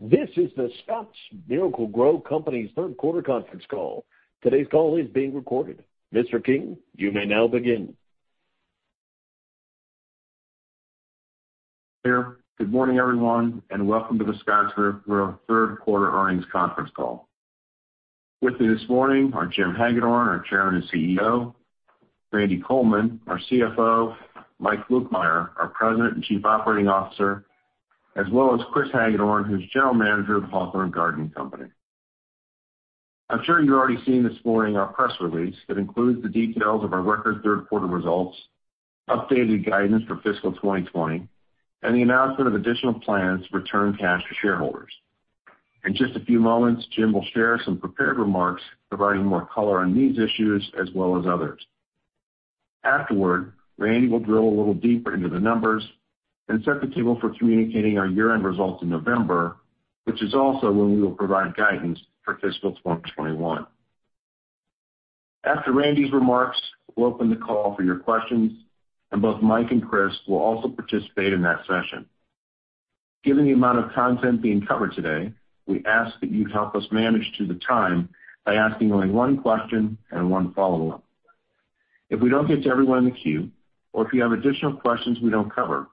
This is The Scotts Miracle-Gro Company's third quarter conference call. Today's call is being recorded. Mr. King, you may now begin. Good morning, everyone, and welcome to The Scotts Miracle-Gro third quarter earnings conference call. With me this morning are Jim Hagedorn, our Chairman and CEO, Randy Coleman, our CFO, Mike Lukemire, our President and Chief Operating Officer, as well as Chris Hagedorn, who's General Manager of The Hawthorne Gardening Company. I'm sure you've already seen this morning our press release that includes the details of our record third quarter results, updated guidance for fiscal 2020, and the announcement of additional plans to return cash to shareholders. In just a few moments, Jim will share some prepared remarks providing more color on these issues as well as others. Afterward, Randy will drill a little deeper into the numbers and set the table for communicating our year-end results in November, which is also when we will provide guidance for fiscal 2021. After Randy's remarks, we'll open the call for your questions, and both Mike and Chris will also participate in that session. Given the amount of content being covered today, we ask that you help us manage through the time by asking only one question and one follow-up. If we don't get to everyone in the queue or if you have additional questions we don't cover,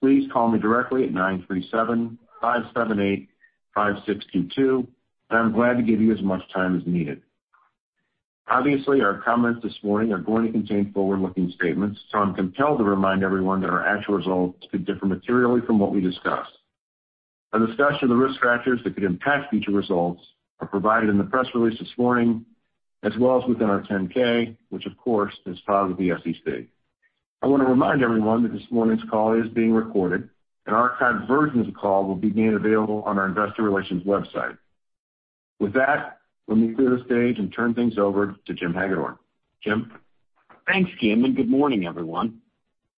please call me directly at 937-578-5622, and I'm glad to give you as much time as needed. Obviously, our comments this morning are going to contain forward-looking statements, so I'm compelled to remind everyone that our actual results could differ materially from what we discuss. A discussion of the risk factors that could impact future results are provided in the press release this morning as well as within our 10-K, which of course is filed with the SEC. I want to remind everyone that this morning's call is being recorded and archived versions of the call will be made available on our investor relations website. With that, let me clear the stage and turn things over to Jim Hagedorn. Jim? Thanks, Jim. Good morning, everyone.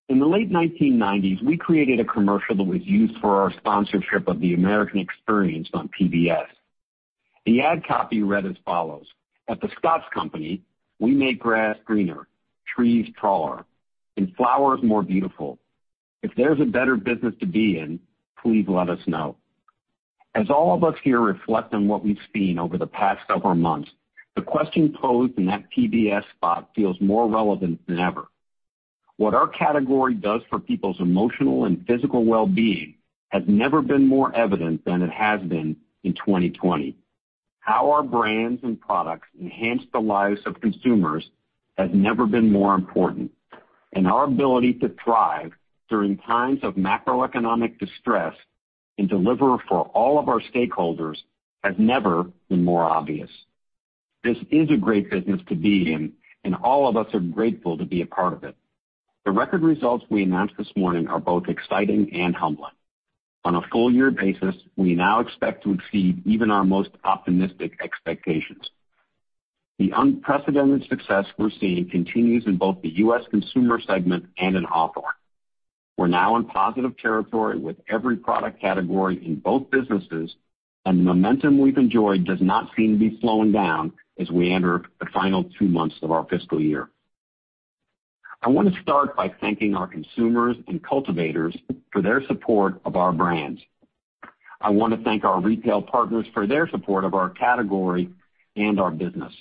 In the late 1990s, we created a commercial that was used for our sponsorship of the American Experience on PBS. The ad copy read as follows: "At the Scotts Company, we make grass greener, trees taller, and flowers more beautiful. If there's a better business to be in, please let us know." As all of us here reflect on what we've seen over the past several months, the question posed in that PBS spot feels more relevant than ever. What our category does for people's emotional and physical wellbeing has never been more evident than it has been in 2020. How our brands and products enhance the lives of consumers has never been more important. Our ability to thrive during times of macroeconomic distress and deliver for all of our stakeholders has never been more obvious. This is a great business to be in, and all of us are grateful to be a part of it. The record results we announced this morning are both exciting and humbling. On a full-year basis, we now expect to exceed even our most optimistic expectations. The unprecedented success we're seeing continues in both the U.S. consumer segment and in Hawthorne. We're now in positive territory with every product category in both businesses. The momentum we've enjoyed does not seem to be slowing down as we enter the final two months of our fiscal year. I want to start by thanking our consumers and cultivators for their support of our brands. I want to thank our retail partners for their support of our category and our business.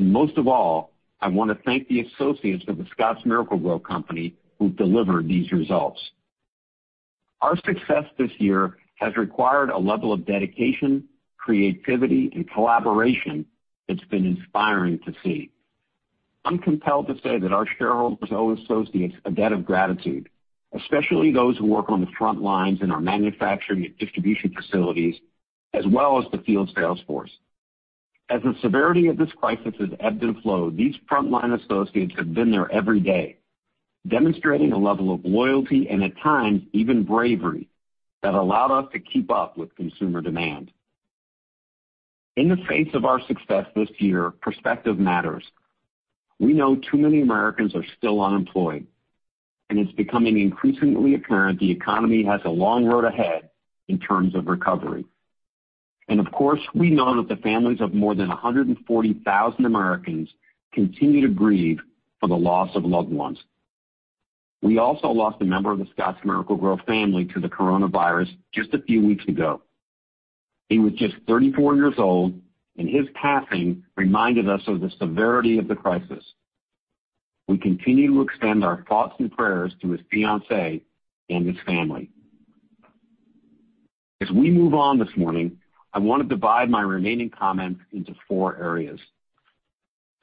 Most of all, I want to thank the associates of The Scotts Miracle-Gro Company who delivered these results. Our success this year has required a level of dedication, creativity, and collaboration that's been inspiring to see. I'm compelled to say that our shareholders owe associates a debt of gratitude, especially those who work on the front lines in our manufacturing and distribution facilities, as well as the field sales force. As the severity of this crisis has ebbed and flowed, these frontline associates have been there every day, demonstrating a level of loyalty and at times even bravery that allowed us to keep up with consumer demand. In the face of our success this year, perspective matters. We know too many Americans are still unemployed. It's becoming increasingly apparent the economy has a long road ahead in terms of recovery. Of course, we know that the families of more than 140,000 Americans continue to grieve for the loss of loved ones. We also lost a member of the Scotts Miracle-Gro family to the coronavirus just a few weeks ago. He was just 34 years old, and his passing reminded us of the severity of the crisis. We continue to extend our thoughts and prayers to his fiancée and his family. As we move on this morning, I want to divide my remaining comments into four areas.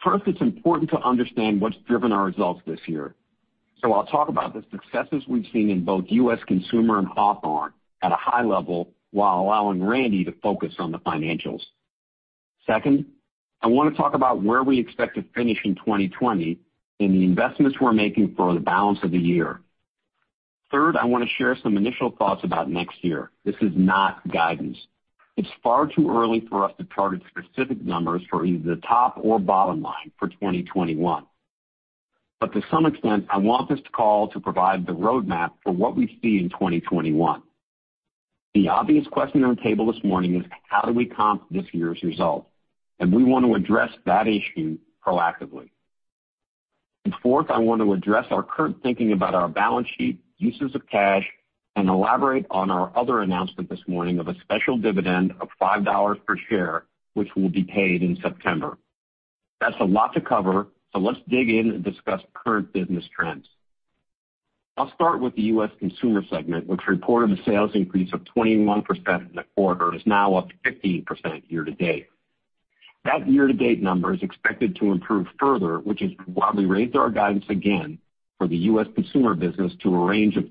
First, it's important to understand what's driven our results this year. I'll talk about the successes we've seen in both U.S. consumer and Hawthorne at a high level while allowing Randy to focus on the financials. Second, I want to talk about where we expect to finish in 2020 and the investments we're making for the balance of the year. Third, I want to share some initial thoughts about next year. This is not guidance. It's far too early for us to target specific numbers for either the top or bottom line for 2021. To some extent, I want this call to provide the roadmap for what we see in 2021. The obvious question on the table this morning is how do we comp this year's result? We want to address that issue proactively. Fourth, I want to address our current thinking about our balance sheet, uses of cash, and elaborate on our other announcement this morning of a special dividend of $5 per share, which will be paid in September. That's a lot to cover, so let's dig in and discuss current business trends. I'll start with the U.S. consumer segment, which reported a sales increase of 21% in the quarter and is now up 15% year-to-date. That year-to-date number is expected to improve further, which is why we raised our guidance again for the U.S. consumer business to a range of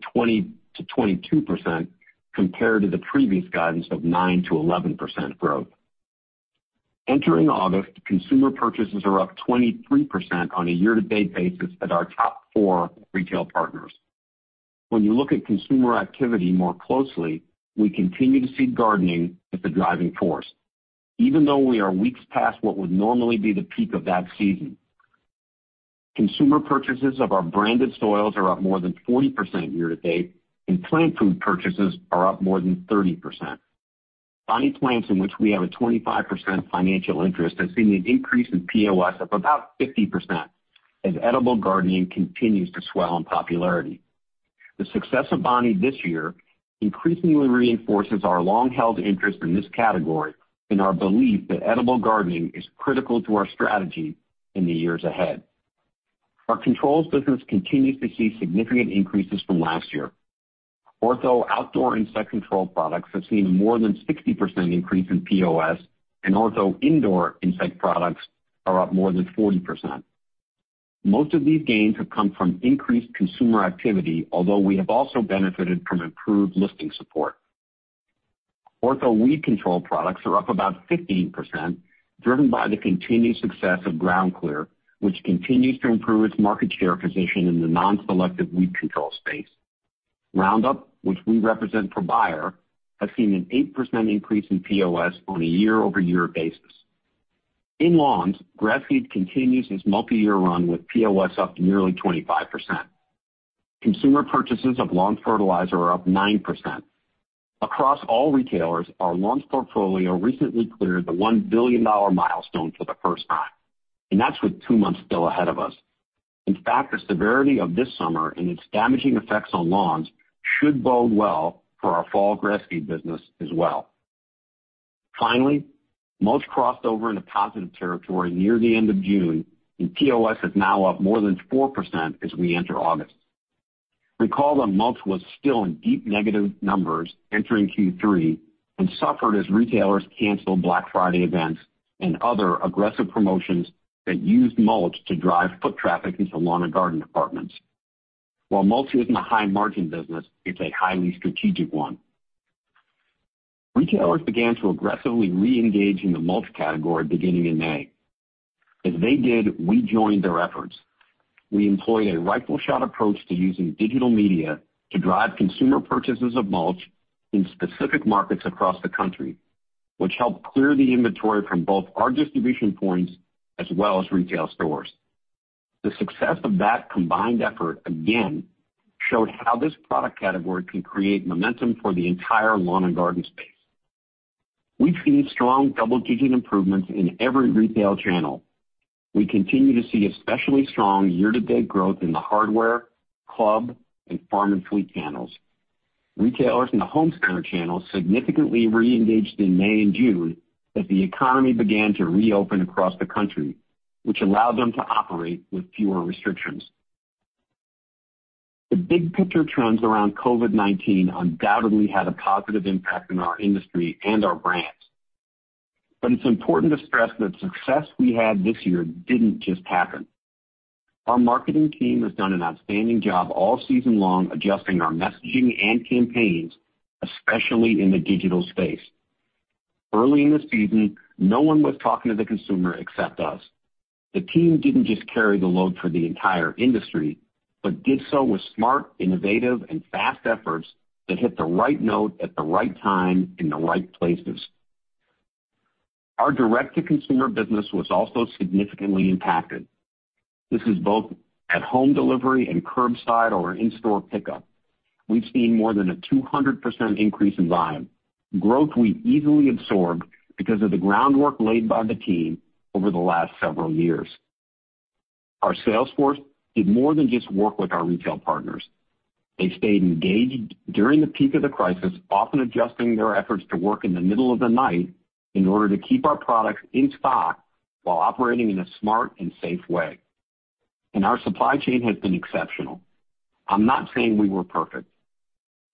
20%-22%, compared to the previous guidance of 9%-11% growth. Entering August, consumer purchases are up 23% on a year-to-date basis at our top four retail partners. When you look at consumer activity more closely, we continue to see gardening as the driving force, even though we are weeks past what would normally be the peak of that season. Consumer purchases of our branded soils are up more than 40% year-to-date, and plant food purchases are up more than 30%. Bonnie Plants, in which we have a 25% financial interest, has seen an increase in POS of about 50%, as edible gardening continues to swell in popularity. The success of Bonnie this year increasingly reinforces our long-held interest in this category and our belief that edible gardening is critical to our strategy in the years ahead. Our controls business continues to see significant increases from last year. Ortho outdoor insect control products have seen more than 60% increase in POS, and Ortho indoor insect products are up more than 40%. Most of these gains have come from increased consumer activity, although we have also benefited from improved listing support. Ortho weed control products are up about 15%, driven by the continued success of GroundClear, which continues to improve its market share position in the non-selective weed control space. Roundup, which we represent for Bayer, has seen an 8% increase in POS on a year-over-year basis. In lawns, grass seed continues its multi-year run with POS up nearly 25%. Consumer purchases of lawn fertilizer are up 9%. Across all retailers, our lawns portfolio recently cleared the $1 billion milestone for the first time, and that's with two months still ahead of us. In fact, the severity of this summer and its damaging effects on lawns should bode well for our fall grass seed business as well. Finally, mulch crossed over into positive territory near the end of June, and POS is now up more than 4% as we enter August. Recall that mulch was still in deep negative numbers entering Q3 and suffered as retailers canceled Black Friday events and other aggressive promotions that used mulch to drive foot traffic into lawn and garden departments. While mulch isn't a high margin business, it's a highly strategic one. Retailers began to aggressively reengage in the mulch category beginning in May. As they did, we joined their efforts. We employed a rifle shot approach to using digital media to drive consumer purchases of mulch in specific markets across the country, which helped clear the inventory from both our distribution points as well as retail stores. The success of that combined effort, again, showed how this product category can create momentum for the entire lawn and garden space. We've seen strong double-digit improvements in every retail channel. We continue to see especially strong year-to-date growth in the hardware, club, and farm and fleet channels. Retailers in the home center channel significantly reengaged in May and June as the economy began to reopen across the country, which allowed them to operate with fewer restrictions. The big picture trends around COVID-19 undoubtedly had a positive impact on our industry and our brands. It's important to stress that success we had this year didn't just happen. Our marketing team has done an outstanding job all season long, adjusting our messaging and campaigns, especially in the digital space. Early in the season, no one was talking to the consumer except us. The team didn't just carry the load for the entire industry, but did so with smart, innovative, and fast efforts that hit the right note at the right time in the right places. Our direct-to-consumer business was also significantly impacted. This is both at home delivery and curbside or in-store pickup. We've seen more than a 200% increase in volume. Growth we easily absorbed because of the groundwork laid by the team over the last several years. Our sales force did more than just work with our retail partners. They stayed engaged during the peak of the crisis, often adjusting their efforts to work in the middle of the night in order to keep our products in stock while operating in a smart and safe way. Our supply chain has been exceptional. I'm not saying we were perfect.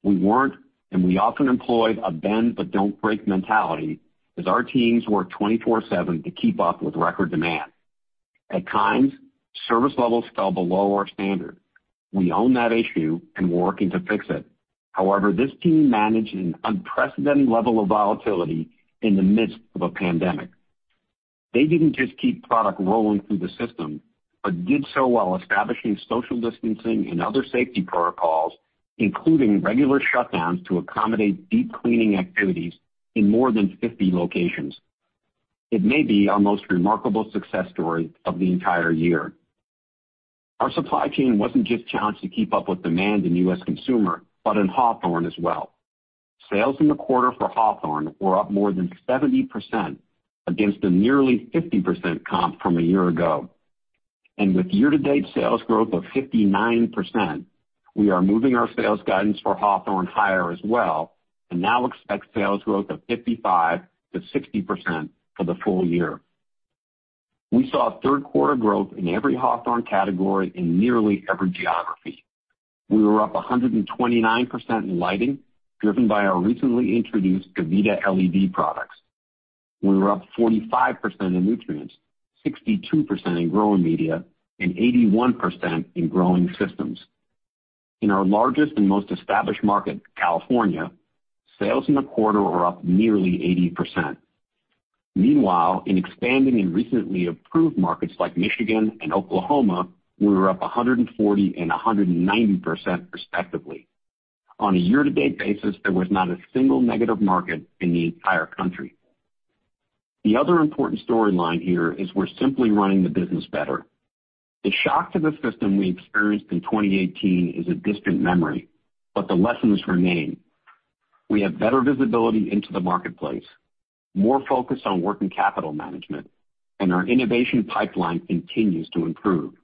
We weren't, and we often employed a bend, but don't break mentality as our teams worked 24/7 to keep up with record demand. At times, service levels fell below our standard. We own that issue, and we're working to fix it. However, this team managed an unprecedented level of volatility in the midst of a pandemic. They didn't just keep product rolling through the system, but did so while establishing social distancing and other safety protocols, including regular shutdowns to accommodate deep cleaning activities in more than 50 locations. It may be our most remarkable success story of the entire year. Our supply chain wasn't just challenged to keep up with demand in U.S. consumer, but in Hawthorne as well. Sales in the quarter for Hawthorne were up more than 70% against a nearly 50% comp from a year ago. With year-to-date sales growth of 59%, we are moving our sales guidance for Hawthorne higher as well and now expect sales growth of 55%-60% for the full year. We saw third quarter growth in every Hawthorne category in nearly every geography. We were up 129% in lighting, driven by our recently introduced Gavita LED products. We were up 45% in nutrients, 62% in growing media, and 81% in growing systems. In our largest and most established market, California, sales in the quarter were up nearly 80%. In expanding and recently approved markets like Michigan and Oklahoma, we were up 140% and 190% respectively. On a year-to-date basis, there was not a single negative market in the entire country. The other important storyline here is we're simply running the business better. The shock to the system we experienced in 2018 is a distant memory, the lessons remain. We have better visibility into the marketplace, more focus on working capital management, our innovation pipeline continues to improve.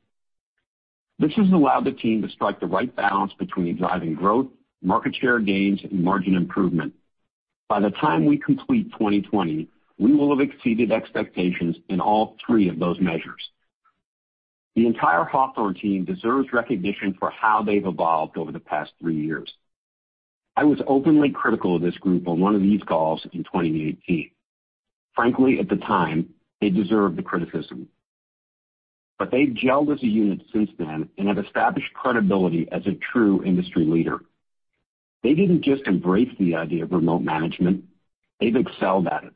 This has allowed the team to strike the right balance between driving growth, market share gains, and margin improvement. By the time we complete 2020, we will have exceeded expectations in all three of those measures. The entire Hawthorne team deserves recognition for how they've evolved over the past three years. I was openly critical of this group on one of these calls in 2018. Frankly, at the time, they deserved the criticism. They've gelled as a unit since then and have established credibility as a true industry leader. They didn't just embrace the idea of remote management, they've excelled at it.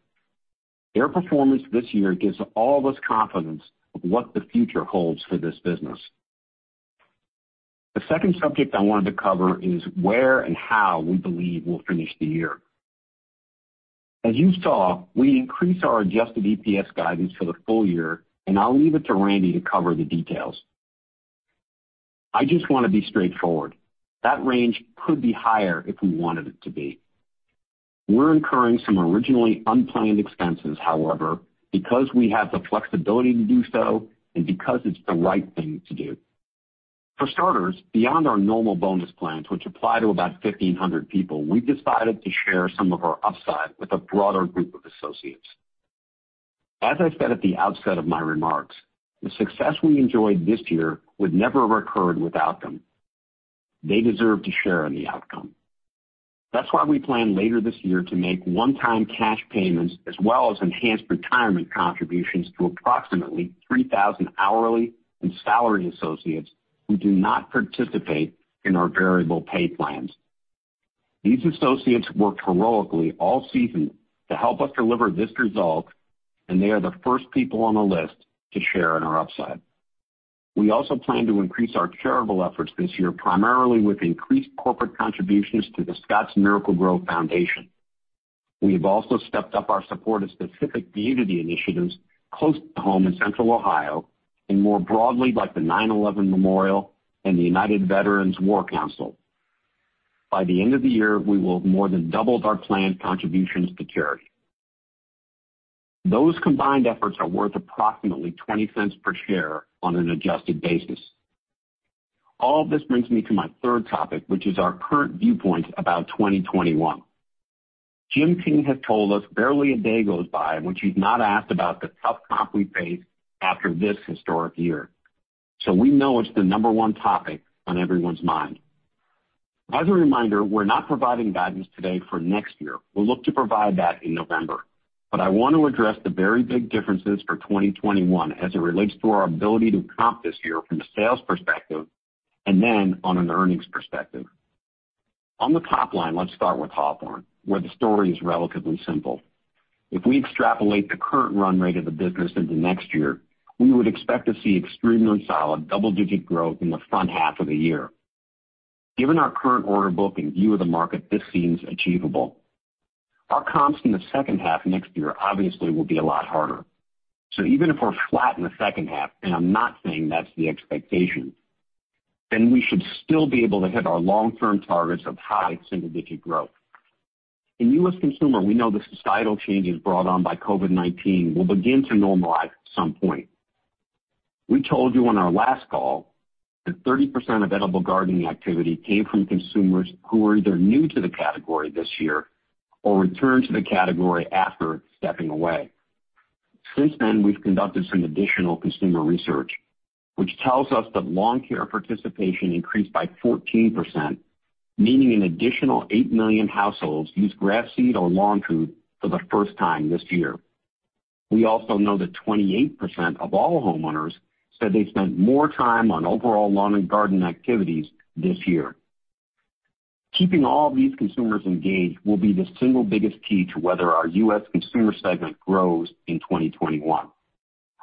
Their performance this year gives all of us confidence of what the future holds for this business. The second subject I wanted to cover is where and how we believe we'll finish the year. As you saw, we increased our adjusted EPS guidance for the full year. I'll leave it to Randy to cover the details. I just want to be straightforward. That range could be higher if we wanted it to be. We're incurring some originally unplanned expenses, however, because we have the flexibility to do so and because it's the right thing to do. For starters, beyond our normal bonus plans, which apply to about 1,500 people, we've decided to share some of our upside with a broader group of associates. As I said at the outset of my remarks, the success we enjoyed this year would never have occurred without them. They deserve to share in the outcome. That's why we plan later this year to make one-time cash payments as well as enhanced retirement contributions to approximately 3,000 hourly and salary associates who do not participate in our variable pay plans. These associates worked heroically all season to help us deliver this result, and they are the first people on the list to share in our upside. We also plan to increase our charitable efforts this year, primarily with increased corporate contributions to The Scotts Miracle-Gro Foundation. We have also stepped up our support of specific community initiatives close to home in Central Ohio and more broadly, like the 9/11 Memorial and the United War Veterans Council. By the end of the year, we will have more than doubled our planned contributions to charity. Those combined efforts are worth approximately $0.20 per share on an adjusted basis. All of this brings me to my third topic, which is our current viewpoint about 2021. Jim King has told us barely a day goes by in which he's not asked about the tough comp we face after this historic year. We know it's the number one topic on everyone's mind. As a reminder, we're not providing guidance today for next year. We'll look to provide that in November. I want to address the very big differences for 2021 as it relates to our ability to comp this year from a sales perspective and then on an earnings perspective. On the top line, let's start with Hawthorne, where the story is relatively simple. If we extrapolate the current run rate of the business into next year, we would expect to see extremely solid double-digit growth in the front half of the year. Given our current order book and view of the market, this seems achievable. Our comps in the second half next year obviously will be a lot harder. Even if we're flat in the second half, and I'm not saying that's the expectation, then we should still be able to hit our long-term targets of high single-digit growth. In U.S. Consumer, we know the societal changes brought on by COVID-19 will begin to normalize at some point. We told you on our last call that 30% of edible gardening activity came from consumers who were either new to the category this year or returned to the category after stepping away. Since then, we've conducted some additional consumer research, which tells us that lawn care participation increased by 14%, meaning an additional 8 million households used grass seed or lawn food for the first time this year. We also know that 28% of all homeowners said they spent more time on overall lawn and garden activities this year. Keeping all these consumers engaged will be the single biggest key to whether our U.S. Consumer segment grows in 2021.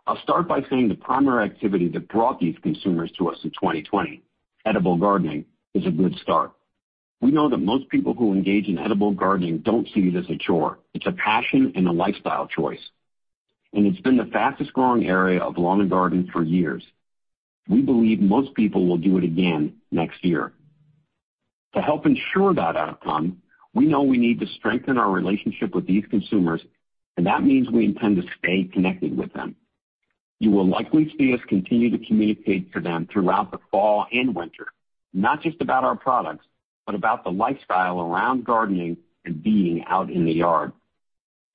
I'll start by saying the primary activity that brought these consumers to us in 2020, edible gardening, is a good start. We know that most people who engage in edible gardening don't see it as a chore. It's a passion and a lifestyle choice. It's been the fastest growing area of lawn and garden for years. We believe most people will do it again next year. To help ensure that outcome, we know we need to strengthen our relationship with these consumers, and that means we intend to stay connected with them. You will likely see us continue to communicate to them throughout the fall and winter, not just about our products, but about the lifestyle around gardening and being out in the yard.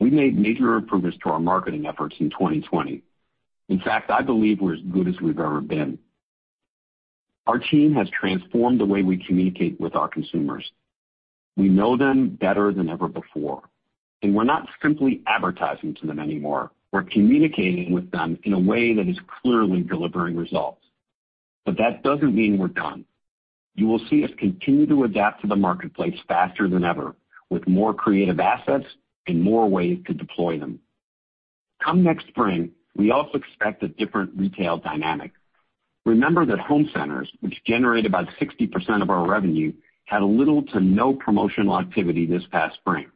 We made major improvements to our marketing efforts in 2020. In fact, I believe we're as good as we've ever been. Our team has transformed the way we communicate with our consumers. We know them better than ever before, and we're not simply advertising to them anymore. We're communicating with them in a way that is clearly delivering results. That doesn't mean we're done. You will see us continue to adapt to the marketplace faster than ever with more creative assets and more ways to deploy them. Come next spring, we also expect a different retail dynamic. Remember that home centers, which generate about 60% of our revenue, had little to no promotional activity this past spring.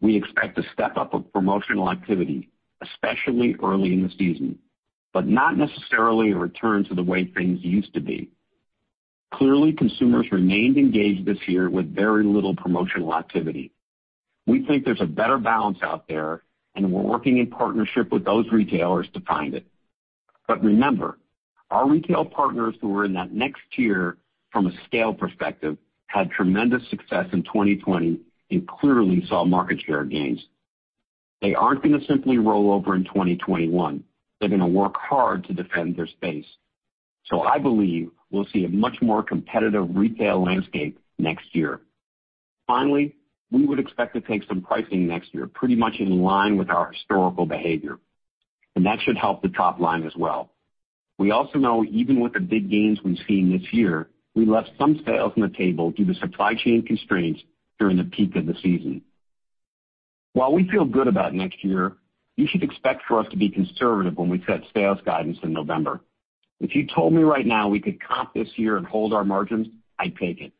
We expect a step-up of promotional activity, especially early in the season, but not necessarily a return to the way things used to be. Clearly, consumers remained engaged this year with very little promotional activity. We think there's a better balance out there, and we're working in partnership with those retailers to find it. Remember, our retail partners who were in that next tier from a scale perspective had tremendous success in 2020 and clearly saw market share gains. They aren't going to simply roll over in 2021. They're going to work hard to defend their space. I believe we'll see a much more competitive retail landscape next year. Finally, we would expect to take some pricing next year, pretty much in line with our historical behavior. That should help the top line as well. We also know even with the big gains we've seen this year, we left some sales on the table due to supply chain constraints during the peak of the season. While we feel good about next year, you should expect for us to be conservative when we set sales guidance in November. If you told me right now we could comp this year and hold our margins, I'd take it.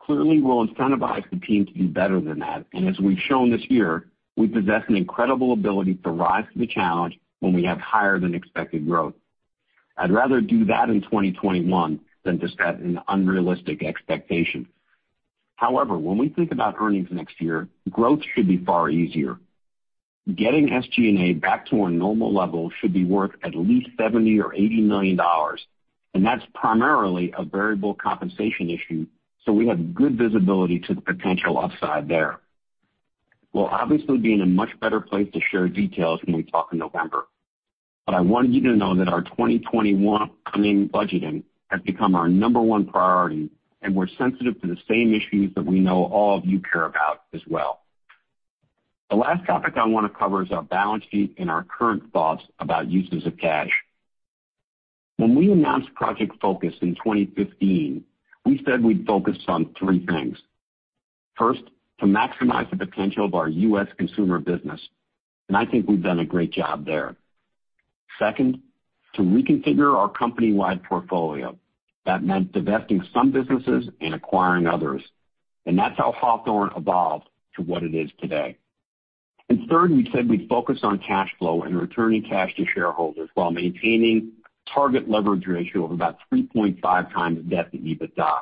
Clearly, we'll incentivize the team to do better than that, and as we've shown this year, we possess an incredible ability to rise to the challenge when we have higher than expected growth. I'd rather do that in 2021 than to set an unrealistic expectation. However, when we think about earnings next year, growth should be far easier. Getting SG&A back to a normal level should be worth at least $70 million or $80 million, and that's primarily a variable compensation issue, so we have good visibility to the potential upside there. We'll obviously be in a much better place to share details when we talk in November, but I wanted you to know that our 2021 budgeting has become our number one priority, and we're sensitive to the same issues that we know all of you care about as well. The last topic I want to cover is our balance sheet and our current thoughts about uses of cash. When we announced Project Focus in 2015, we said we'd focus on three things. First, to maximize the potential of our U.S. consumer business, and I think we've done a great job there. Second, to reconfigure our company-wide portfolio. That meant divesting some businesses and acquiring others. That's how Hawthorne evolved to what it is today. Third, we said we'd focus on cash flow and returning cash to shareholders while maintaining target leverage ratio of about 3.5x debt to EBITDA.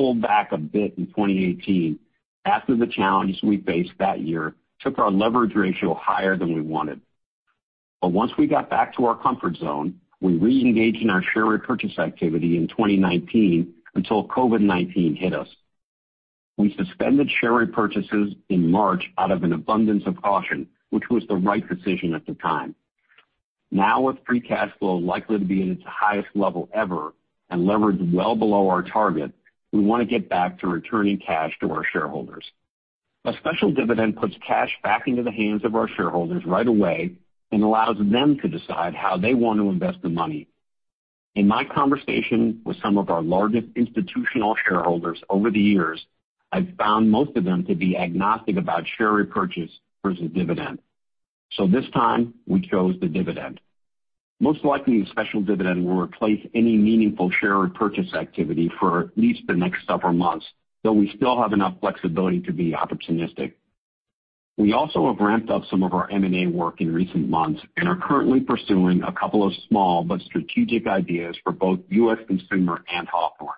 Pulled back a bit in 2018 after the challenges we faced that year took our leverage ratio higher than we wanted. Once we got back to our comfort zone, we reengaged in our share repurchase activity in 2019 until COVID-19 hit us. We suspended share repurchases in March out of an abundance of caution, which was the right decision at the time. Now, with free cash flow likely to be at its highest level ever and leverage well below our target, we want to get back to returning cash to our shareholders. A special dividend puts cash back into the hands of our shareholders right away and allows them to decide how they want to invest the money. In my conversation with some of our largest institutional shareholders over the years, I've found most of them to be agnostic about share repurchase versus dividend. This time, we chose the dividend. Most likely, a special dividend will replace any meaningful share repurchase activity for at least the next several months, though we still have enough flexibility to be opportunistic. We also have ramped up some of our M&A work in recent months and are currently pursuing a couple of small but strategic ideas for both U.S. Consumer and Hawthorne.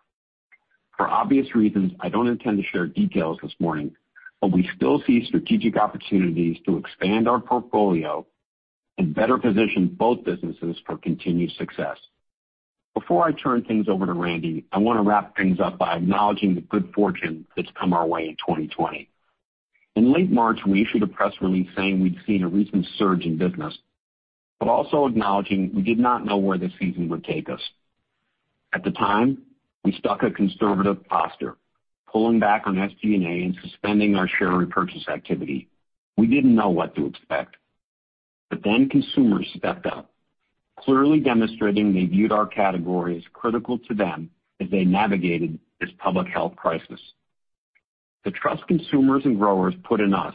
For obvious reasons, I don't intend to share details this morning, but we still see strategic opportunities to expand our portfolio and better position both businesses for continued success. Before I turn things over to Randy, I want to wrap things up by acknowledging the good fortune that's come our way in 2020. In late March, we issued a press release saying we'd seen a recent surge in business, but also acknowledging we did not know where the season would take us. At the time, we struck a conservative posture, pulling back on SG&A and suspending our share repurchase activity. We didn't know what to expect. Consumers stepped up, clearly demonstrating they viewed our category as critical to them as they navigated this public health crisis. The trust consumers and growers put in us,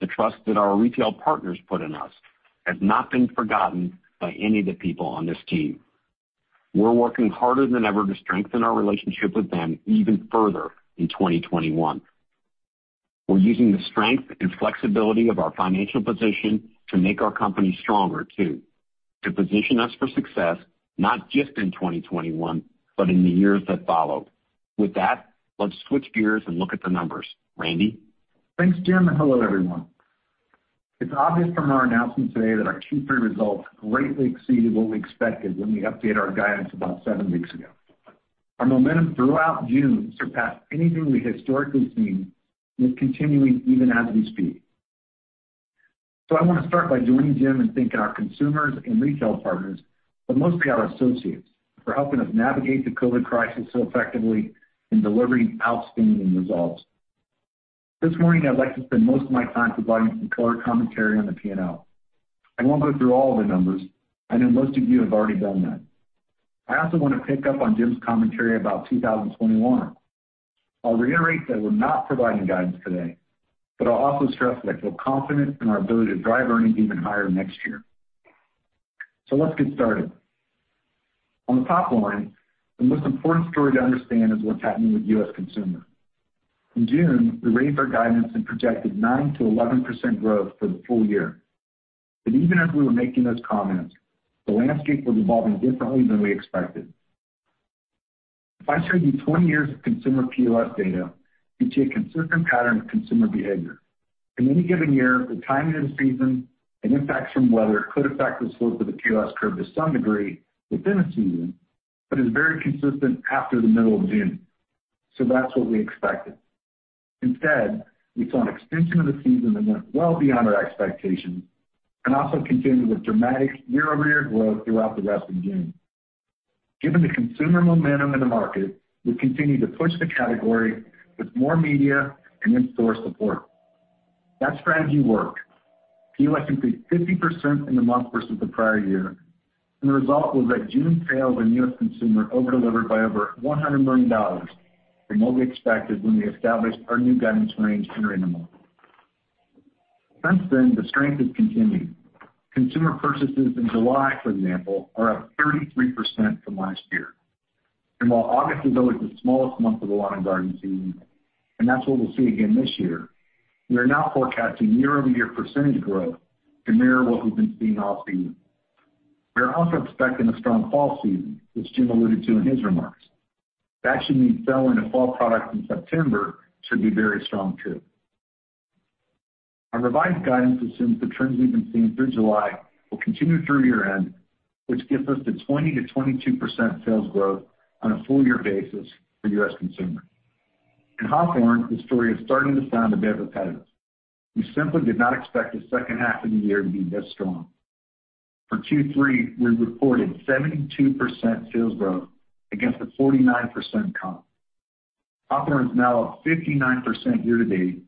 the trust that our retail partners put in us, has not been forgotten by any of the people on this team. We're working harder than ever to strengthen our relationship with them even further in 2021. We're using the strength and flexibility of our financial position to make our company stronger too, to position us for success, not just in 2021, but in the years that follow. With that, let's switch gears and look at the numbers. Randy? Thanks, Jim, and hello, everyone. It's obvious from our announcement today that our Q3 results greatly exceeded what we expected when we updated our guidance about seven weeks ago. Our momentum throughout June surpassed anything we've historically seen, and it's continuing even as we speak. I want to start by joining Jim in thanking our consumers and retail partners, but mostly our associates, for helping us navigate the COVID crisis so effectively in delivering outstanding results. This morning, I'd like to spend most of my time providing some color commentary on the P&L. I won't go through all of the numbers. I know most of you have already done that. I also want to pick up on Jim's commentary about 2021. I'll reiterate that we're not providing guidance today, but I'll also stress that I feel confident in our ability to drive earnings even higher next year. Let's get started. On the top line, the most important story to understand is what's happening with U.S. Consumer. In June, we raised our guidance and projected 9%-11% growth for the full year. Even as we were making those comments, the landscape was evolving differently than we expected. If I show you 20 years of consumer POS data, you'd see a consistent pattern of consumer behavior. In any given year, the timing of the season and impacts from weather could affect the slope of the POS curve to some degree within a season, but is very consistent after the middle of June. That's what we expected. Instead, we saw an extension of the season that went well beyond our expectations and also continued with dramatic year-over-year growth throughout the rest of June. Given the consumer momentum in the market, we continued to push the category with more media and in-store support. That strategy worked. POS increased 50% in the month versus the prior year. The result was that June sales in U.S. Consumer over-delivered by over $100 million from what we expected when we established our new guidance range early in the month. Since then, the strength has continued. Consumer purchases in July, for example, are up 33% from last year. While August is always the smallest month of the lawn and garden season, and that's what we'll see again this year, we are now forecasting year-over-year percentage growth to mirror what we've been seeing all season. We are also expecting a strong fall season, which Jim alluded to in his remarks. That should mean sell-in of fall products in September should be very strong, too. Our revised guidance assumes the trends we've been seeing through July will continue through year-end, which gets us to 20%-22% sales growth on a full-year basis for U.S. Consumer. In Hawthorne, the story is starting to sound a bit repetitive. We simply did not expect the second half of the year to be this strong. For Q3, we reported 72% sales growth against a 49% comp. Hawthorne is now up 59% year-to-date,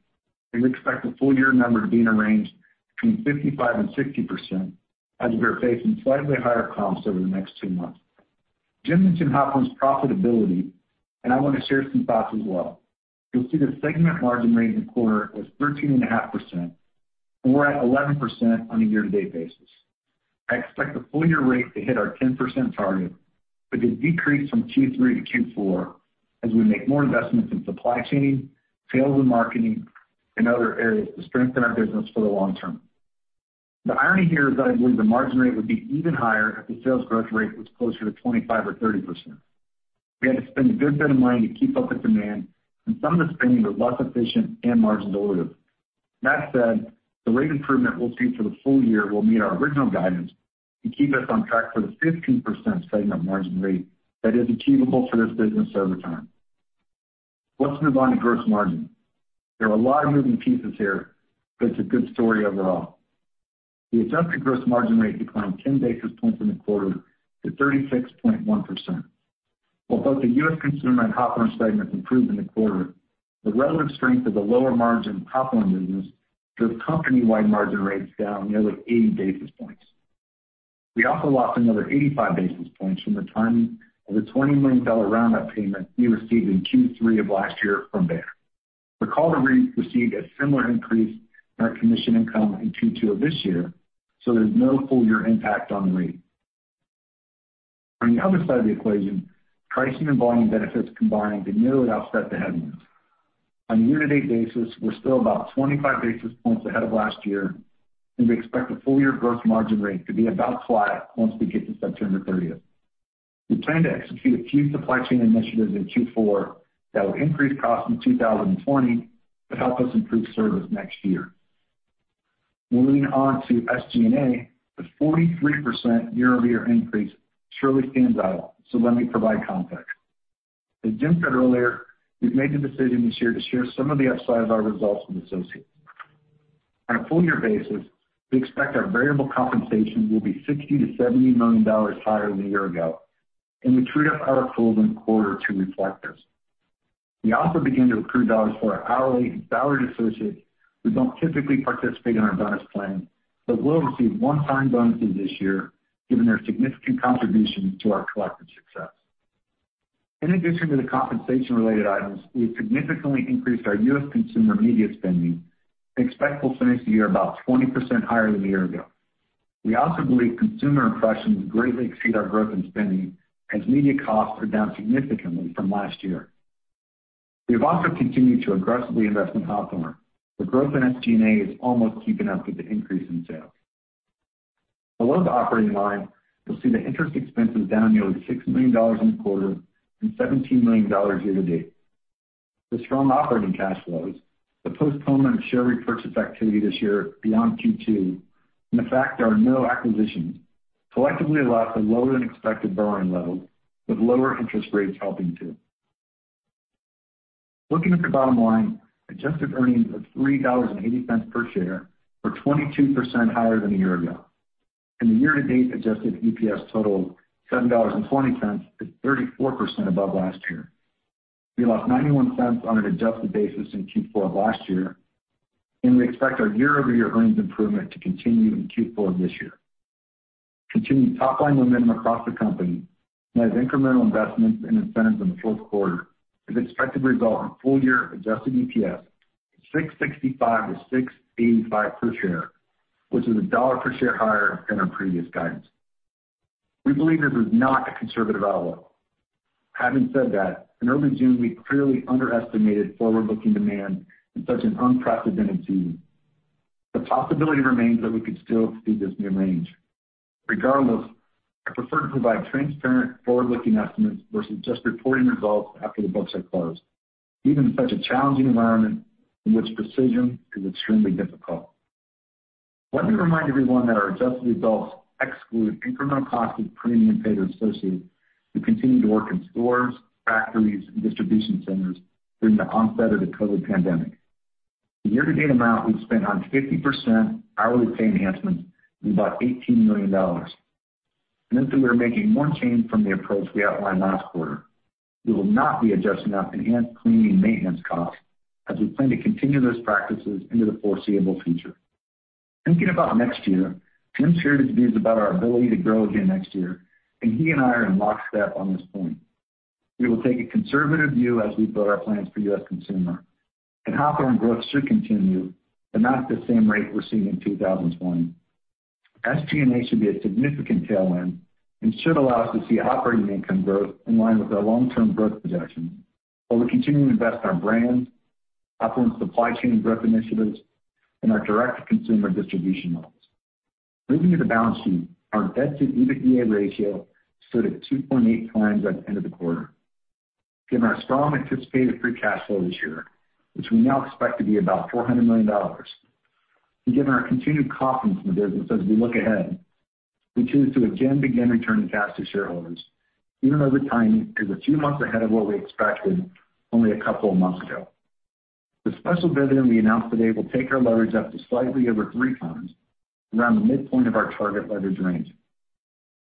and we expect the full-year number to be in a range between 55% and 60% as we are facing slightly higher comps over the next two months. Jim mentioned Hawthorne's profitability, and I want to share some thoughts as well. You'll see the segment margin rate in the quarter was 13.5%, and we're at 11% on a year-to-date basis. I expect the full year rate to hit our 10% target, but to decrease from Q3 to Q4 as we make more investments in supply chain, sales and marketing, and other areas to strengthen our business for the long term. The irony here is that I believe the margin rate would be even higher if the sales growth rate was closer to 25% or 30%. We had to spend a good bit of money to keep up with demand, and some of the spending was less efficient and margin dilutive. That said, the rate improvement we'll see for the full year will meet our original guidance and keep us on track for the 15% segment margin rate that is achievable for this business over time. Let's move on to gross margin. There are a lot of moving pieces here, but it's a good story overall. The adjusted gross margin rate declined 10 basis points in the quarter to 36.1%. While both the U.S. Consumer and Hawthorne segments improved in the quarter, the relative strength of the lower margin Hawthorne business drove company-wide margin rates down nearly 80 basis points. We also lost another 85 basis points from the timing of a $20 million Roundup payment we received in Q3 of last year from Bayer. Recall that we received a similar increase in our commission income in Q2 of this year, so there's no full year impact on the rate. On the other side of the equation, pricing and volume benefits combined to nearly offset the headwinds. On a year-to-date basis, we're still about 25 basis points ahead of last year, and we expect the full year gross margin rate to be about flat once we get to September 30th. We plan to execute a few supply chain initiatives in Q4 that will increase costs in 2020, but help us improve service next year. Moving on to SG&A, the 43% year-over-year increase surely stands out, so let me provide context. As Jim said earlier, we've made the decision this year to share some of the upside of our results with associates. On a full year basis, we expect our variable compensation will be $60 million-$70 million higher than a year ago, and we trued up our pools in the quarter to reflect this. We also began to accrue dollars for our hourly and salaried associates who don't typically participate in our bonus plan but will receive one-time bonuses this year, given their significant contributions to our collective success. In addition to the compensation-related items, we have significantly increased our U.S. consumer media spending and expect we'll finish the year about 20% higher than a year ago. We also believe consumer impressions greatly exceed our growth in spending, as media costs are down significantly from last year. We have also continued to aggressively invest in Hawthorne. The growth in SG&A is almost keeping up with the increase in sales. Below the operating line, you'll see that interest expense is down nearly $6 million in the quarter and $17 million year-to-date. The strong operating cash flows, the postponement of share repurchase activity this year beyond Q2, and the fact there are no acquisitions collectively allow for lower-than-expected borrowing levels, with lower interest rates helping too. Looking at the bottom line, adjusted earnings of $3.80 per share were 22% higher than a year ago. The year-to-date adjusted EPS totaled $7.20, at 34% above last year. We lost $0.91 on an adjusted basis in Q4 of last year, and we expect our year-over-year earnings improvement to continue in Q4 of this year. Continued top-line momentum across the company, and as incremental investments and incentives in the fourth quarter is expected to result in full-year adjusted EPS of $6.65-$6.85 per share, which is $1 per share higher than our previous guidance. We believe this is not a conservative outlook. Having said that, in early June, we clearly underestimated forward-looking demand in such an unprecedented season. The possibility remains that we could still exceed this new range. Regardless, I prefer to provide transparent forward-looking estimates versus just reporting results after the books are closed, even in such a challenging environment in which precision is extremely difficult. Let me remind everyone that our adjusted results exclude incremental costs of premium pay to associates who continued to work in stores, factories, and distribution centers during the onset of the COVID pandemic. The year-to-date amount we've spent on 50% hourly pay enhancements is about $18 million. Since we are making one change from the approach we outlined last quarter, we will not be adjusting our enhanced cleaning and maintenance costs as we plan to continue those practices into the foreseeable future. Thinking about next year, Jim shared his views about our ability to grow again next year. He and I are in lockstep on this point. We will take a conservative view as we build our plans for U.S. consumer. Hawthorne growth should continue, not at the same rate we're seeing in 2020. SG&A should be a significant tailwind and should allow us to see operating income growth in line with our long-term growth projections, while we continue to invest in our brands, Hawthorne's supply chain growth initiatives, and our direct-to-consumer distribution models. Moving to the balance sheet, our debt-to-EBITDA ratio stood at 2.8x at the end of the quarter. Given our strong anticipated free cash flow this year, which we now expect to be about $400 million, and given our continued confidence in the business as we look ahead, we choose to again begin returning cash to shareholders, even though the timing is a few months ahead of what we expected only a couple of months ago. The special dividend we announced today will take our leverage up to slightly over 3x, around the midpoint of our target leverage range.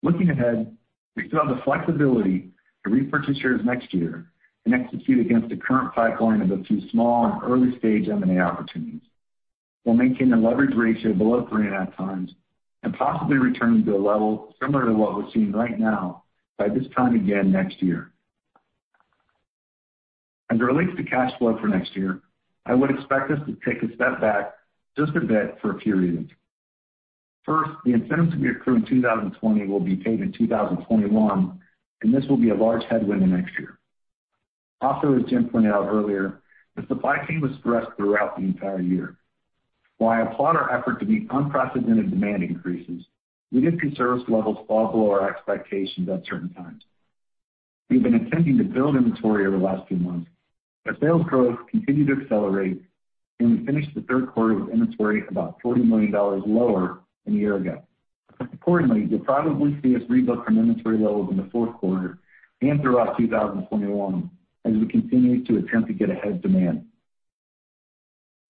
Looking ahead, we still have the flexibility to repurchase shares next year and execute against the current pipeline of a few small and early-stage M&A opportunities, while maintaining a leverage ratio below 3.5x and possibly returning to a level similar to what we're seeing right now by this time again next year. As it relates to cash flow for next year, I would expect us to take a step back just a bit for a few reasons. The incentives we accrue in 2020 will be paid in 2021. This will be a large headwind to next year. As Jim pointed out earlier, the supply chain was stressed throughout the entire year. While I applaud our effort to meet unprecedented demand increases, we did see service levels fall below our expectations at certain times. We've been attempting to build inventory over the last few months. Sales growth continued to accelerate. We finished the third quarter with inventory about $40 million lower than a year ago. You'll probably see us rebuild from inventory levels in the fourth quarter and throughout 2021 as we continue to attempt to get ahead of demand.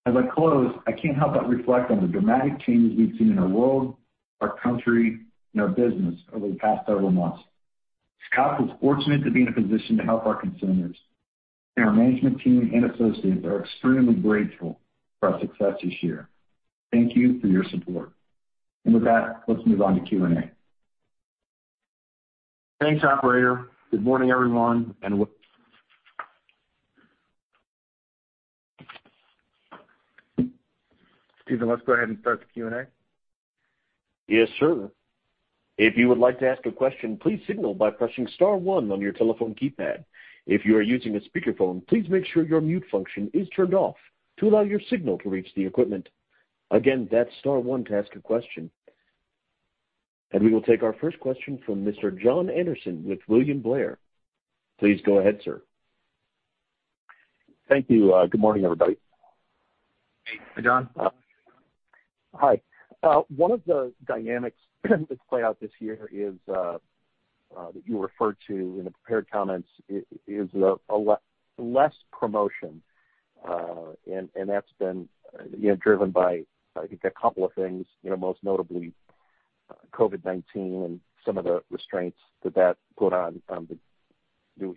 As I close, I can't help but reflect on the dramatic changes we've seen in our world, our country, and our business over the past several months. Scotts is fortunate to be in a position to help our consumers, and our management team and associates are extremely grateful for our success this year. Thank you for your support. With that, let's move on to Q&A. Steven, let's go ahead and start the Q&A. Yes, sir. If you would like to ask a question, please signal by pressing star one on your telephone keypad. If you are using a speakerphone, please make sure your mute function is turned off to allow your signal to reach the equipment. Again, that's star one to ask a question. We will take our first question from Mr. Jon Andersen with William Blair. Please go ahead, sir. Thank you. Good morning, everybody. Hey, Jon. Hi. One of the dynamics that's played out this year is, that you referred to in the prepared comments, is a lot less promotion. That's been driven by, I think, a couple of things, most notably COVID-19 and some of the restraints that put on the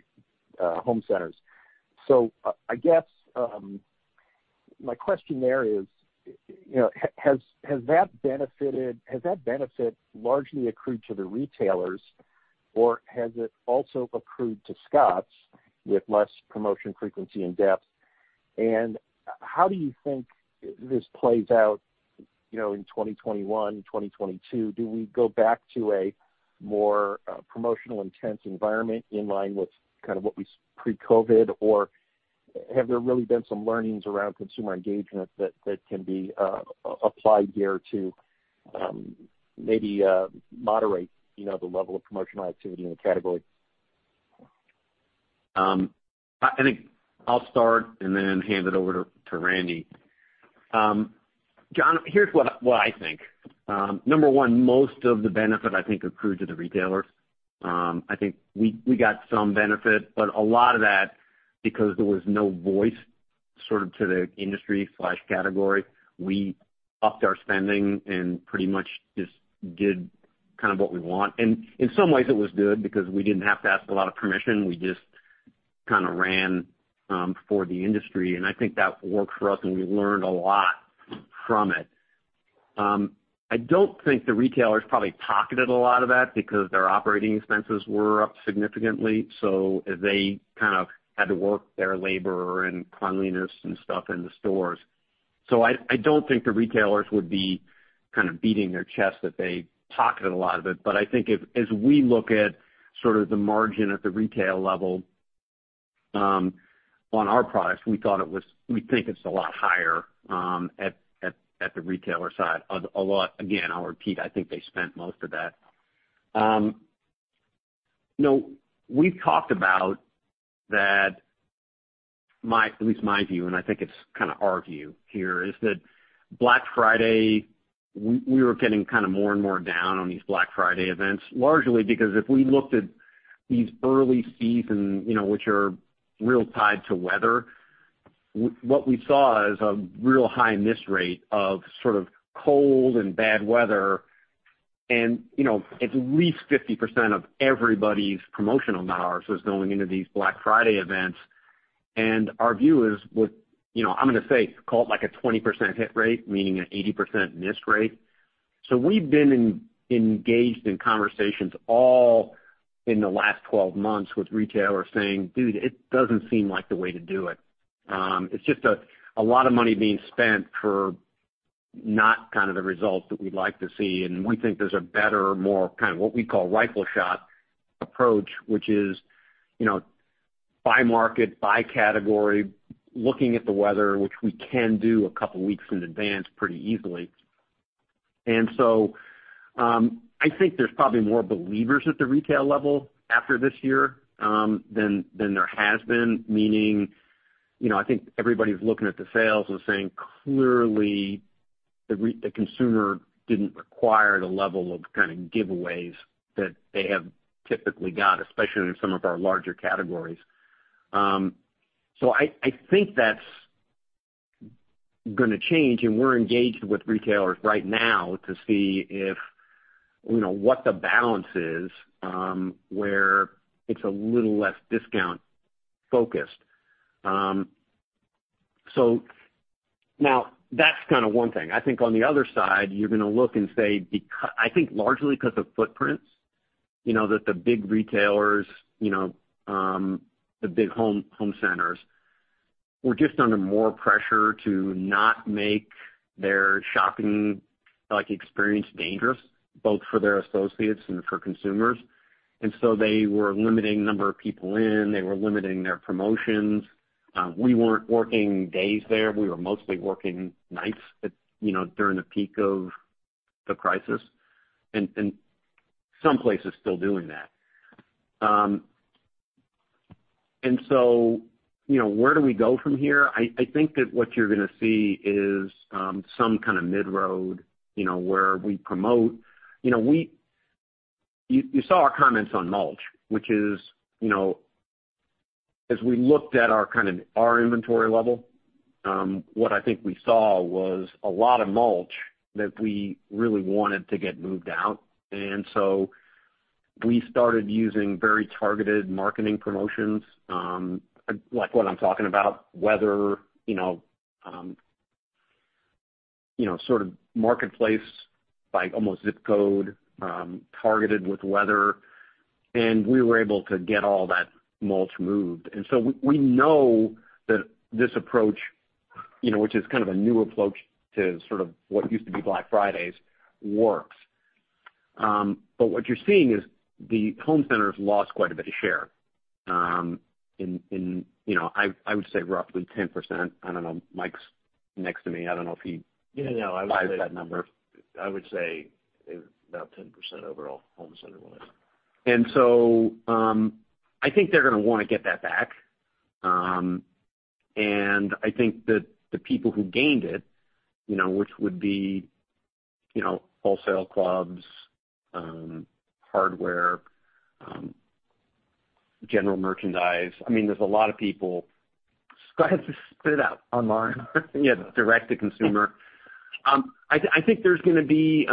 home centers. My question there is, has that benefit largely accrued to the retailers or has it also accrued to Scotts with less promotion frequency and depth? How do you think this plays out in 2021, 2022? Do we go back to a more promotional intense environment in line with kind of what we pre-COVID, or have there really been some learnings around consumer engagement that can be applied there to maybe moderate the level of promotional activity in the category? I think I'll start and then hand it over to Randy. Jon, here's what I think. Number one, most of the benefit, I think, accrued to the retailers. I think we got some benefit, but a lot of that, because there was no voice sort of to the industry/category, we upped our spending and pretty much just did kind of what we want. In some ways it was good because we didn't have to ask a lot of permission. We just kind of ran for the industry, and I think that worked for us and we learned a lot from it. I don't think the retailers probably pocketed a lot of that because their operating expenses were up significantly. They kind of had to work their labor and cleanliness and stuff in the stores. I don't think the retailers would be kind of beating their chest that they pocketed a lot of it. I think as we look at sort of the margin at the retail level on our products, we think it's a lot higher at the retailer side. Again, I'll repeat, I think they spent most of that. We've talked about that, at least my view, and I think it's kind of our view here, is that Black Friday, we were getting kind of more and more down on these Black Friday events, largely because if we looked at these early season, which are real tied to weather, what we saw is a real high miss rate of sort of cold and bad weather, and at least 50% of everybody's promotional dollars was going into these Black Friday events. Our view is what, I'm going to say, call it like a 20% hit rate, meaning an 80% miss rate. We've been engaged in conversations all in the last 12 months with retailers saying, "Dude, it doesn't seem like the way to do it." It's just a lot of money being spent for not kind of the results that we'd like to see, and we think there's a better, more kind of what we call rifle shot approach, which is, by market, by category, looking at the weather, which we can do a couple weeks in advance pretty easily. I think there's probably more believers at the retail level after this year, than there has been. Meaning, I think everybody's looking at the sales and saying, clearly the consumer didn't require the level of kind of giveaways that they have typically got, especially in some of our larger categories. I think that's gonna change, and we're engaged with retailers right now to see what the balance is, where it's a little less discount-focused. Now that's kind of one thing. I think on the other side, you're gonna look and say, I think largely because of footprints, that the big retailers, the big home centers, were just under more pressure to not make their shopping experience dangerous, both for their associates and for consumers. They were limiting number of people in, they were limiting their promotions. We weren't working days there. We were mostly working nights during the peak of the crisis. Some places still doing that. Where do we go from here? I think that what you're gonna see is some kind of mid-road, where we promote. You saw our comments on mulch, which is as we looked at our inventory level, what I think we saw was a lot of mulch that we really wanted to get moved out. We started using very targeted marketing promotions, like what I'm talking about, weather, sort of marketplace by almost ZIP code, targeted with weather. We were able to get all that mulch moved. We know that this approach, which is kind of a new approach to sort of what used to be Black Fridays, works. What you're seeing is the home centers lost quite a bit of share, I would say roughly 10%. I don't know, Mike's next to me, I don't know if he— Yeah. buys that number. I would say about 10% overall, home center wise. I think they're gonna wanna get that back. I think that the people who gained it, which would be wholesale clubs, hardware, general merchandise. I mean, there's a lot of people. Scotts just split out, online. Yeah, direct to consumer. I think there's gonna be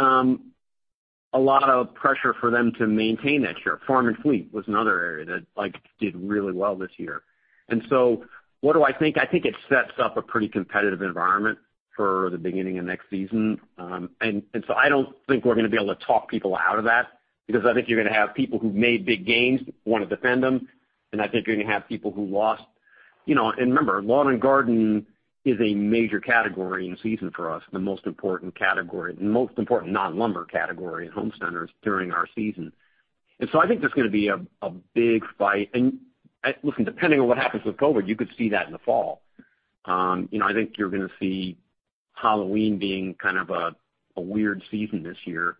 a lot of pressure for them to maintain that share. Farm and Fleet was another area that did really well this year. What do I think? I think it sets up a pretty competitive environment for the beginning of next season. I don't think we're going to be able to talk people out of that, because I think you're going to have people who've made big gains, want to defend them, and I think you're going to have people who lost. Remember, lawn and garden is a major category in season for us, the most important category, the most important non-lumber category in home centers during our season. I think there's gonna be a big fight. Listen, depending on what happens with COVID, you could see that in the fall. I think you're going to see Halloween being kind of a weird season this year.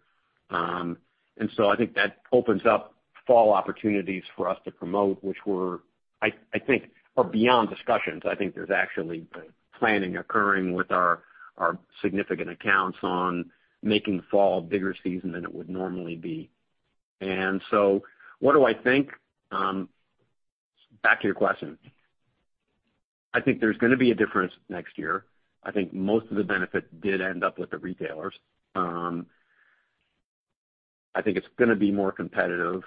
I think that opens up fall opportunities for us to promote, which were, I think, are beyond discussions. I think there's actually planning occurring with our significant accounts on making fall a bigger season than it would normally be. What do I think? Back to your question. I think there's going to be a difference next year. I think most of the benefit did end up with the retailers. I think it's going to be more competitive,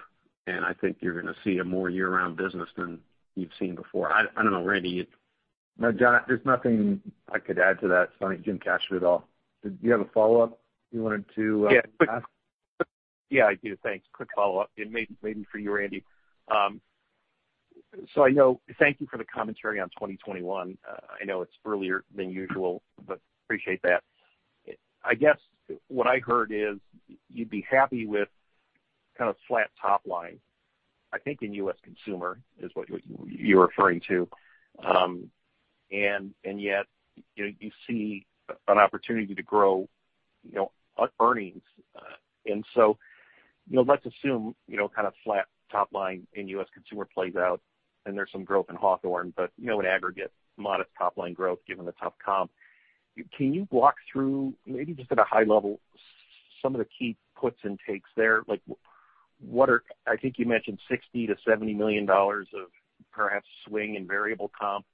and I think you're going to see a more year-round business than you've seen before. I don't know, Randy. No, Jon, there's nothing I could add to that. I think Jim captured it all. Did you have a follow-up you wanted to ask? Yeah. Yeah, I do. Thanks. Quick follow-up, maybe for you, Randy. Thank you for the commentary on 2021. I know it's earlier than usual, appreciate that. I guess what I heard is you'd be happy with kind of flat top line, I think in U.S. consumer is what you're referring to. Yet you see an opportunity to grow earnings. Let's assume kind of flat top line in U.S. consumer plays out and there's some growth in Hawthorne, in aggregate, modest top-line growth, given the tough comp. Can you walk through, maybe just at a high level, some of the key puts and takes there? I think you mentioned $60 million-$70 million of perhaps swing in variable comp,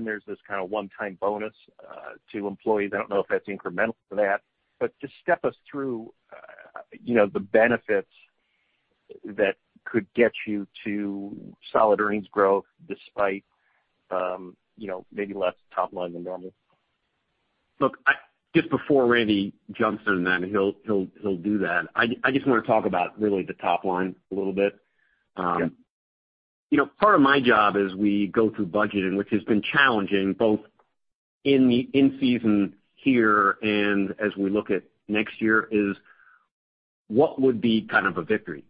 there's this kind of one-time bonus to employees. I don't know if that's incremental to that. Just step us through the benefits that could get you to solid earnings growth despite maybe less top line than normal. Look, just before Randy jumps in, then he'll do that. I just want to talk about really the top line a little bit. Yeah. Part of my job as we go through budgeting, which has been challenging both in season here and as we look at next year, is what would be kind of a victory?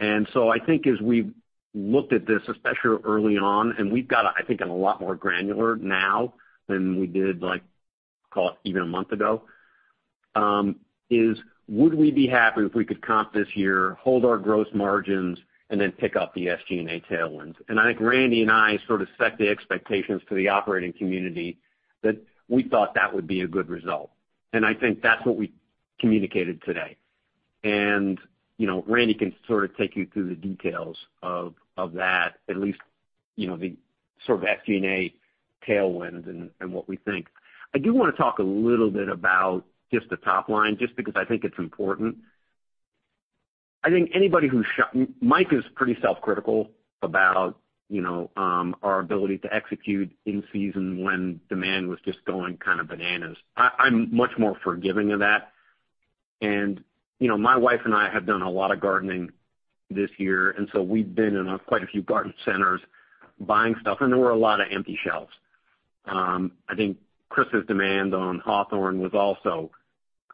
I think as we've looked at this, especially early on, and we've got, I think, a lot more granular now than we did call it even a month ago, is would we be happy if we could comp this year, hold our gross margins, and then pick up the SG&A tailwinds? I think Randy and I sort of set the expectations to the operating community that we thought that would be a good result. I think that's what we communicated today. Randy can sort of take you through the details of that, at least the sort of SG&A tailwind and what we think. I do want to talk a little bit about just the top line, just because I think it's important. Mike is pretty self-critical about our ability to execute in season when demand was just going kind of bananas. I'm much more forgiving of that. My wife and I have done a lot of gardening this year, and so we've been in quite a few garden centers buying stuff, and there were a lot of empty shelves. I think Chris's demand on Hawthorne was also,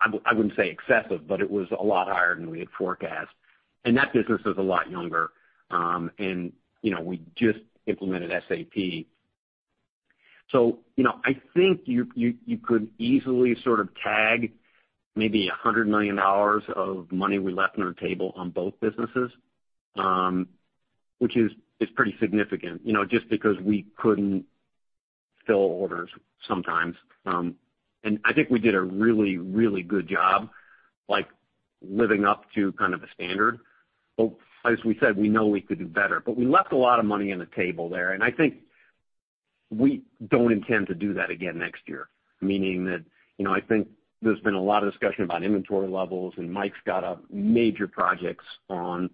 I wouldn't say excessive, but it was a lot higher than we had forecast. That business is a lot younger. We just implemented SAP. I think you could easily sort of tag maybe $100 million of money we left on our table on both businesses, which is pretty significant, just because we couldn't fill orders sometimes. I think we did a really good job, living up to kind of a standard. As we said, we know we could do better. We left a lot of money on the table there, and I think we don't intend to do that again next year, meaning that I think there's been a lot of discussion about inventory levels, and Mike's got major projects on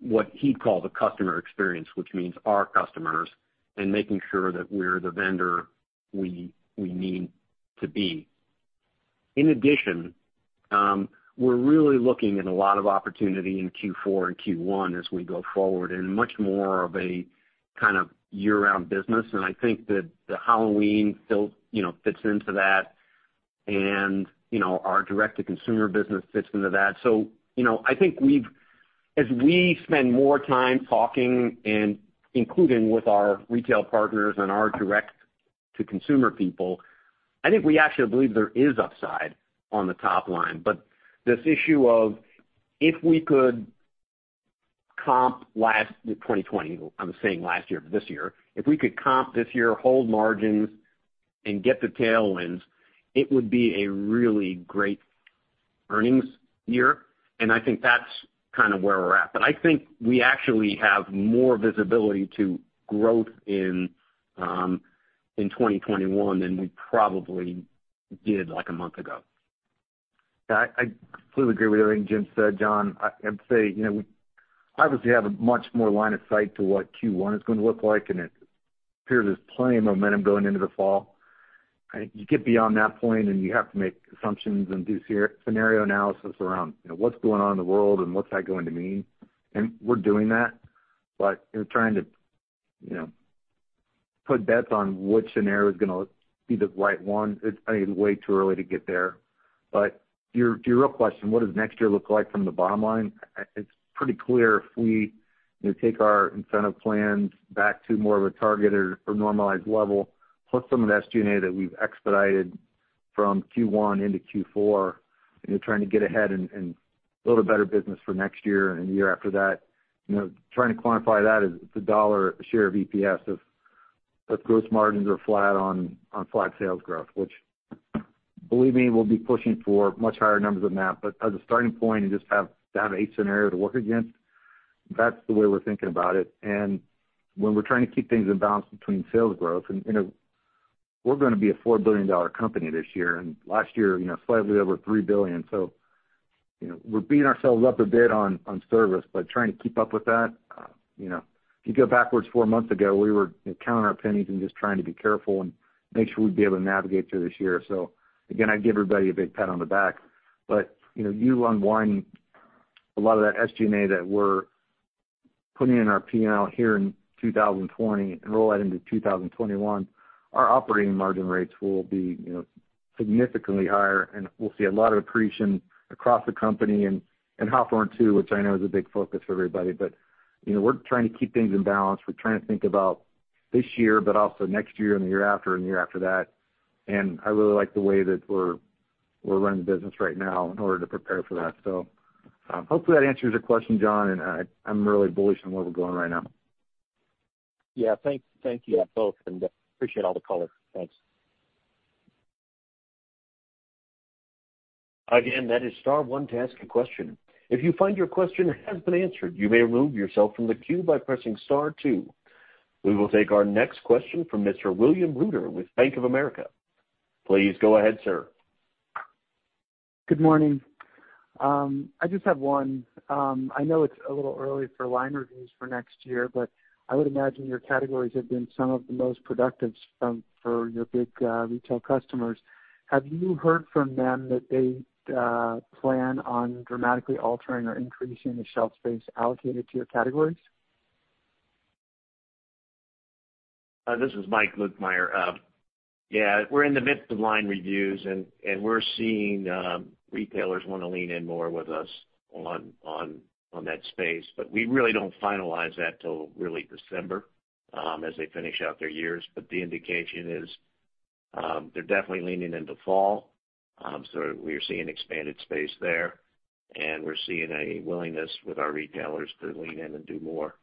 what he calls a customer experience, which means our customers and making sure that we're the vendor we need to be. In addition, we're really looking at a lot of opportunity in Q4 and Q1 as we go forward and much more of a kind of year-round business, and I think that Halloween fits into that, and our direct-to-consumer business fits into that. I think as we spend more time talking and including with our retail partners and our direct-to-consumer people, I think we actually believe there is upside on the top line. This issue of if we could comp last 2020, I'm saying last year, but this year, if we could comp this year, hold margins, and get the tailwinds, it would be a really great earnings year. I think that's kind of where we're at. I think we actually have more visibility to growth in 2021 than we probably did like a month ago. Yeah, I completely agree with everything Jim said, Jon. I would say, we obviously have a much more line of sight to what Q1 is going to look like, and it appears there's plenty of momentum going into the fall. You get beyond that point and you have to make assumptions and do scenario analysis around what's going on in the world and what's that going to mean. We're doing that, but trying to put bets on which scenario is going to be the right one, it's way too early to get there. To your real question, what does next year look like from the bottom line? It's pretty clear if we take our incentive plans back to more of a targeted or normalized level, plus some of the SG&A that we've expedited from Q1 into Q4, trying to get ahead and build a better business for next year and the year after that. Trying to quantify that is, it's a dollar share of EPS if gross margins are flat on flat sales growth, which, believe me, we'll be pushing for much higher numbers than that. As a starting point and just to have a scenario to work against, that's the way we're thinking about it. We're going to be a $4 billion company this year, and last year, slightly over $3 billion. We're beating ourselves up a bit on service, but trying to keep up with that. If you go backwards four months ago, we were counting our pennies and just trying to be careful and make sure we'd be able to navigate through this year. Again, I'd give everybody a big pat on the back. You unwind a lot of that SG&A that we're putting in our P&L here in 2020 and roll that into 2021, our operating margin rates will be significantly higher, and we'll see a lot of accretion across the company and Hawthorne too, which I know is a big focus for everybody. We're trying to keep things in balance. We're trying to think about this year, but also next year and the year after and the year after that. I really like the way that we're running the business right now in order to prepare for that. Hopefully that answers your question, Jon, and I'm really bullish on where we're going right now. Yeah. Thank you both, and appreciate all the color. Thanks. Again, that is star one to ask a question. If you find your question has been answered, you may remove yourself from the queue by pressing star two. We will take our next question from Mr. William Reuter with Bank of America. Please go ahead, sir. Good morning. I just have one. I know it's a little early for line reviews for next year, but I would imagine your categories have been some of the most productive for your big retail customers. Have you heard from them that they plan on dramatically altering or increasing the shelf space allocated to your categories? This is Mike Lukemire. We're in the midst of line reviews, and we're seeing retailers want to lean in more with us on that space. We really don't finalize that till really December as they finish out their years. The indication is they're definitely leaning into fall. We're seeing expanded space there, and we're seeing a willingness with our retailers to lean in and do more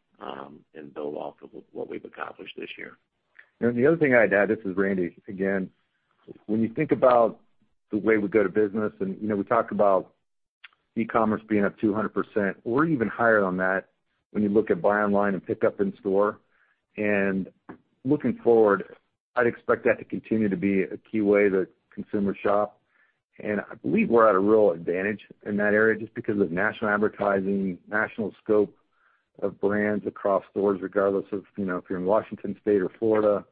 and build off of what we've accomplished this year. The other thing I'd add, this is Randy again. When you think about the way we go to business and we talked about e-commerce being up 200%, we're even higher on that when you look at buy online and pick up in store. Looking forward, I'd expect that to continue to be a key way that consumers shop, and I believe we're at a real advantage in that area just because of national advertising, national scope of brands across stores, regardless of if you're in Washington State or Florida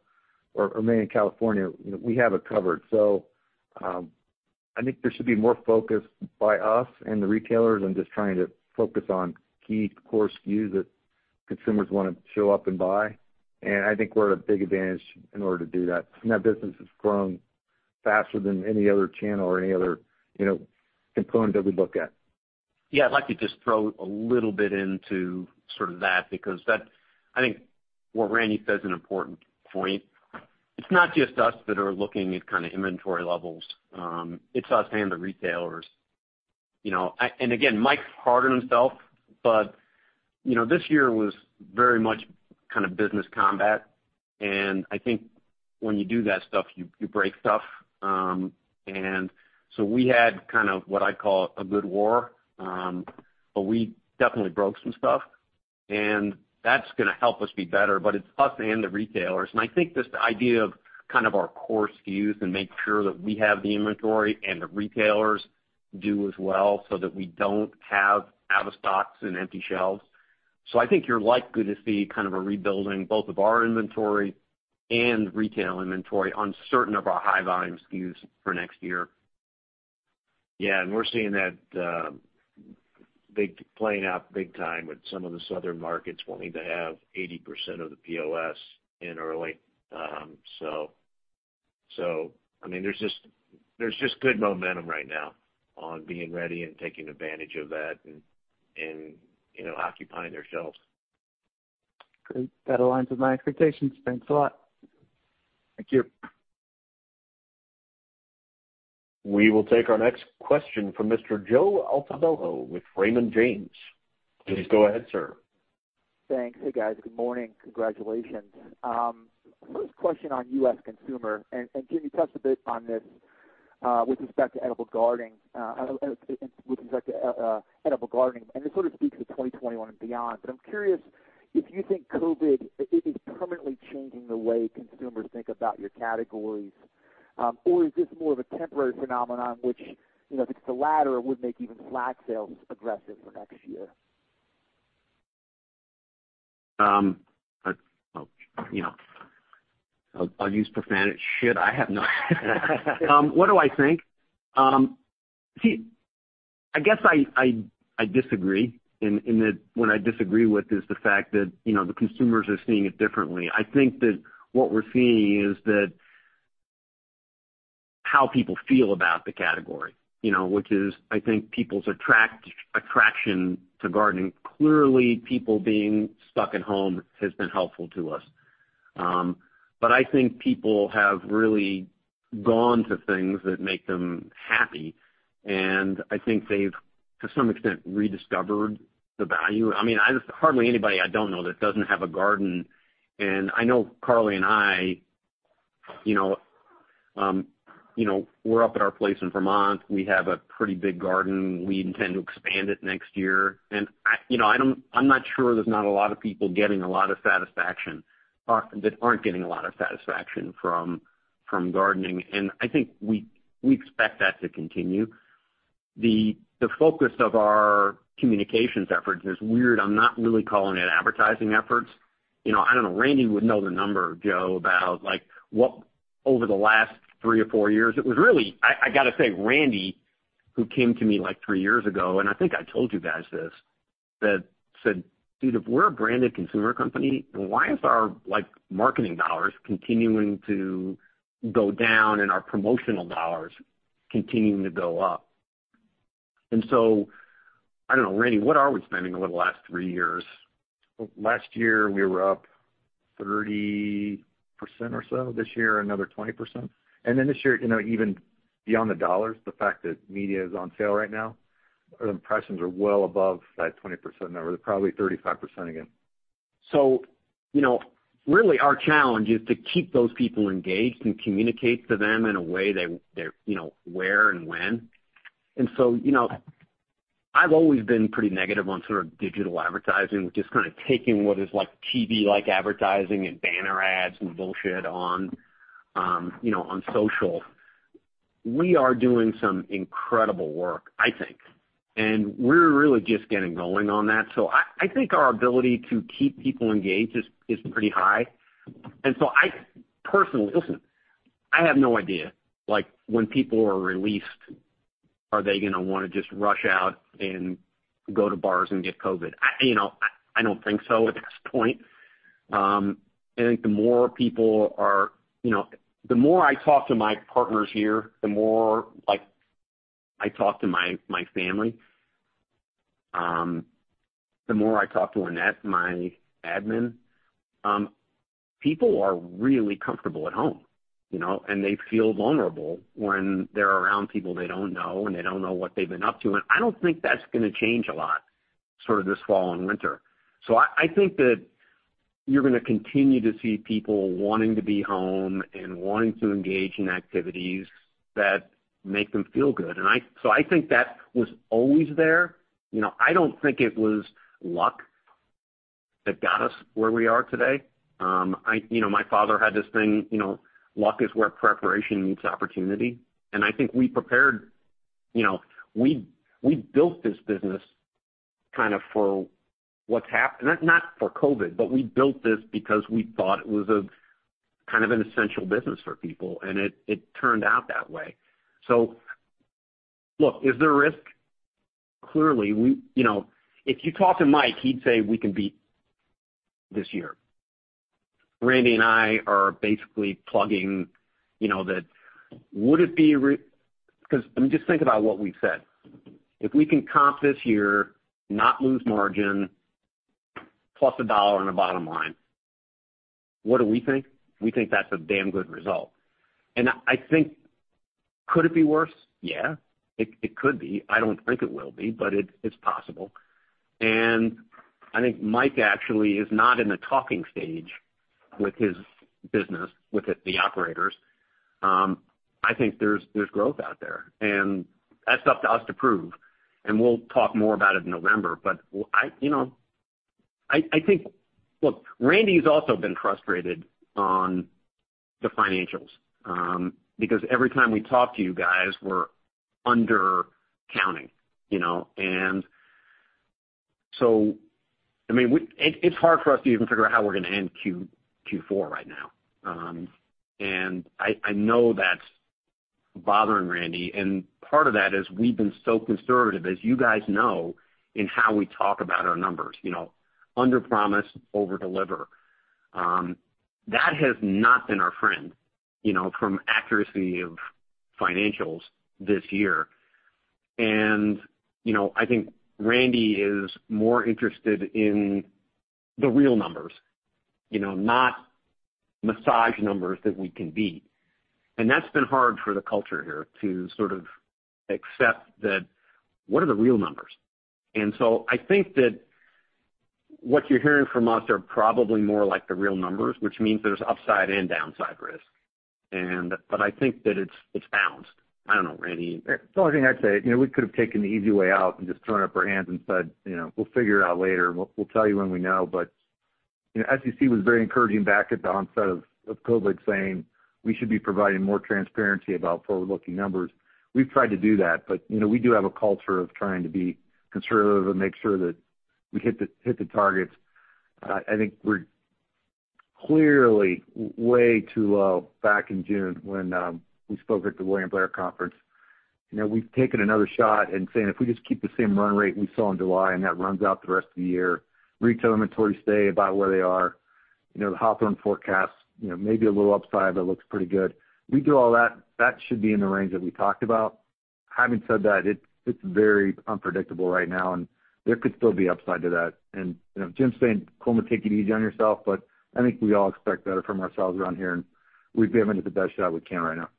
or Maine, California, we have it covered. I think there should be more focus by us and the retailers on just trying to focus on key core SKUs that consumers want to show up and buy. I think we're at a big advantage in order to do that. That business has grown faster than any other channel or any other component that we look at. Yeah, I'd like to just throw a little bit into sort of that, because I think what Randy said is an important point. It's not just us that are looking at inventory levels. It's us and the retailers. Again, Mike's hard on himself, but this year was very much business combat and I think when you do that stuff, you break stuff. So we had what I'd call a good war. We definitely broke some stuff, and that's going to help us be better, but it's us and the retailers. I think this idea of our core SKUs and making sure that we have the inventory and the retailers do as well, so that we don't have out of stocks and empty shelves. I think you're likely to see a rebuilding both of our inventory and retail inventory on certain of our high volume SKUs for next year. Yeah, we're seeing that playing out big time with some of the southern markets wanting to have 80% of the POS in early. There's just good momentum right now on being ready and taking advantage of that and occupying their shelves. Great. That aligns with my expectations. Thanks a lot. Thank you. We will take our next question from Mr. Joe Altobello with Raymond James. Please go ahead, sir. Thanks. Hey, guys. Good morning. Congratulations. First question on U.S. consumer, and Jim, you touched a bit on this with respect to edible gardening, and this sort of speaks to 2021 and beyond, but I'm curious if you think COVID is permanently changing the way consumers think about your categories, or is this more of a temporary phenomenon? Which, if it's the latter, it would make even flag sales aggressive for next year. I'll use profanity. Shit, I have no. What do I think? I guess I disagree, and what I disagree with is the fact that the consumers are seeing it differently. I think that what we're seeing is that how people feel about the category, which is, I think people's attraction to gardening. Clearly, people being stuck at home has been helpful to us. I think people have really gone to things that make them happy, and I think they've, to some extent, rediscovered the value. Hardly anybody I don't know that doesn't have a garden, and I know Carly and I, we're up at our place in Vermont. We have a pretty big garden. We intend to expand it next year. I'm not sure there's not a lot of people that aren't getting a lot of satisfaction from gardening. I think we expect that to continue. The focus of our communications efforts is weird. I'm not really calling it advertising efforts. I don't know, Randy would know the number, Joe, about over the last three or four years. I gotta say, Randy, who came to me three years ago, and I think I told you guys this. That said, "Dude, if we're a branded consumer company, why is our marketing dollars continuing to go down and our promotional dollars continuing to go up?" I don't know, Randy, what are we spending over the last three years? Last year we were up 30% or so. This year, another 20%. This year, even beyond the dollars, the fact that media is on sale right now, our impressions are well above that 20% number. They're probably 35% again. Really our challenge is to keep those people engaged and communicate to them in a way where and when. I've always been pretty negative on digital advertising, which is kind of taking what is TV-like advertising and banner ads and bullshit on social. We are doing some incredible work, I think. We're really just getting rolling on that. I think our ability to keep people engaged is pretty high. I personally Listen, I have no idea when people are released, are they gonna wanna just rush out and go to bars and get COVID? I don't think so at this point. The more I talk to my partners here, the more I talk to my family, the more I talk to Annette, my admin, people are really comfortable at home. They feel vulnerable when they're around people they don't know, and they don't know what they've been up to, I don't think that's gonna change a lot this fall and winter. I think that you're gonna continue to see people wanting to be home and wanting to engage in activities that make them feel good. I think that was always there. I don't think it was luck that got us where we are today. My father had this thing, luck is where preparation meets opportunity. I think we prepared. We built this business for what's happened. Not for COVID, but we built this because we thought it was an essential business for people, and it turned out that way. Look, is there a risk? Clearly. If you talk to Mike, he'd say we can beat this year. Randy and I are basically plugging that would it be. I mean, just think about what we've said. If we can comp this year, not lose margin, +$1 on the bottom line. What do we think? We think that's a damn good result. I think, could it be worse? Yeah. It could be. I don't think it will be, but it's possible. I think Mike actually is not in a talking stage with his business, with the operators. I think there's growth out there, and that's up to us to prove, and we'll talk more about it in November. Look, Randy's also been frustrated on the financials. Every time we talk to you guys, we're undercounting. It's hard for us to even figure out how we're gonna end Q4 right now. I know that's bothering Randy, part of that is we've been so conservative, as you guys know, in how we talk about our numbers. Under promise, over deliver. That has not been our friend from accuracy of financials this year. I think Randy is more interested in the real numbers. Not massaged numbers that we can beat. That's been hard for the culture here to sort of accept that what are the real numbers? I think that what you're hearing from us are probably more like the real numbers, which means there's upside and downside risk. I think that it's balanced. I don't know, Randy? It's the only thing I'd say, we could have taken the easy way out and just thrown up our hands and said, "We'll figure it out later. We'll tell you when we know." SEC was very encouraging back at the onset of COVID, saying we should be providing more transparency about forward-looking numbers. We've tried to do that, but we do have a culture of trying to be conservative and make sure that we hit the targets. I think we're clearly way too low back in June when we spoke at the William Blair Conference. We've taken another shot and saying, if we just keep the same run rate we saw in July, and that runs out the rest of the year, retail inventories stay about where they are. The Hawthorne forecast, maybe a little upside, but looks pretty good. We do all that should be in the range that we talked about. Having said that, it's very unpredictable right now, and there could still be upside to that. Jim's saying, "Coleman, take it easy on yourself," but I think we all expect better from ourselves around here, and we've given it the best shot we can right now.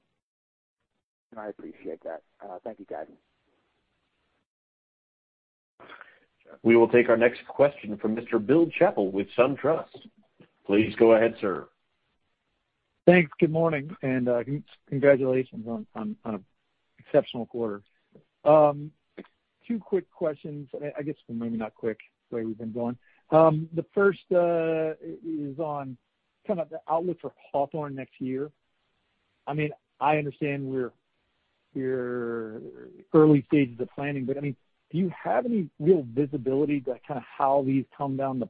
I appreciate that. Thank you, guys. We will take our next question from Mr. Bill Chappell with SunTrust. Please go ahead, sir. Thanks. Good morning, congratulations on an exceptional quarter. Two quick questions. I guess maybe not quick, the way we've been going. The first is on kind of the outlook for Hawthorne next year. I understand we're early stages of planning, do you have any real visibility to how these come down the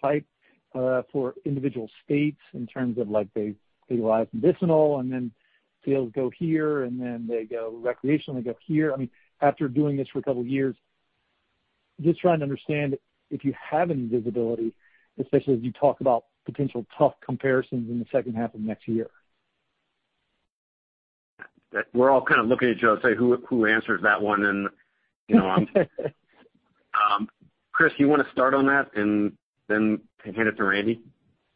pipe, for individual states in terms of like they legalize medicinal, then sales go here, then they go recreational, they go here. After doing this for a couple of years, just trying to understand if you have any visibility, especially as you talk about potential tough comparisons in the second half of next year. We're all kind of looking at each other, say, who answers that one? Chris, you want to start on that and then hand it to Randy?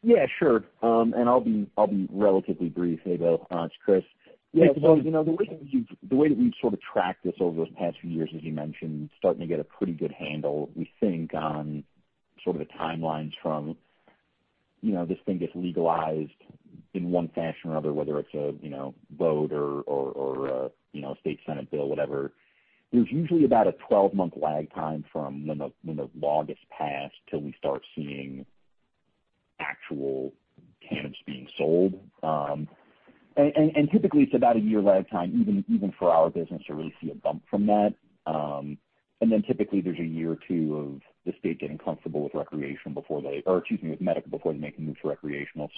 Yeah, sure. I'll be relatively brief. Hey, Bill, it's Chris. The way that we've sort of tracked this over those past few years, as you mentioned, starting to get a pretty good handle, we think, on sort of the timelines from this thing gets legalized in one fashion or other, whether it's a vote or a state Senate bill, whatever. There's usually about a 12-month lag time from when the law gets passed till we start seeing actual cannabis being sold. Typically, it's about a year lag time, even for our business to really see a bump from that. Typically, there's a year or two of the state getting comfortable with recreation before they or excuse me, with medical before they make a move to recreational.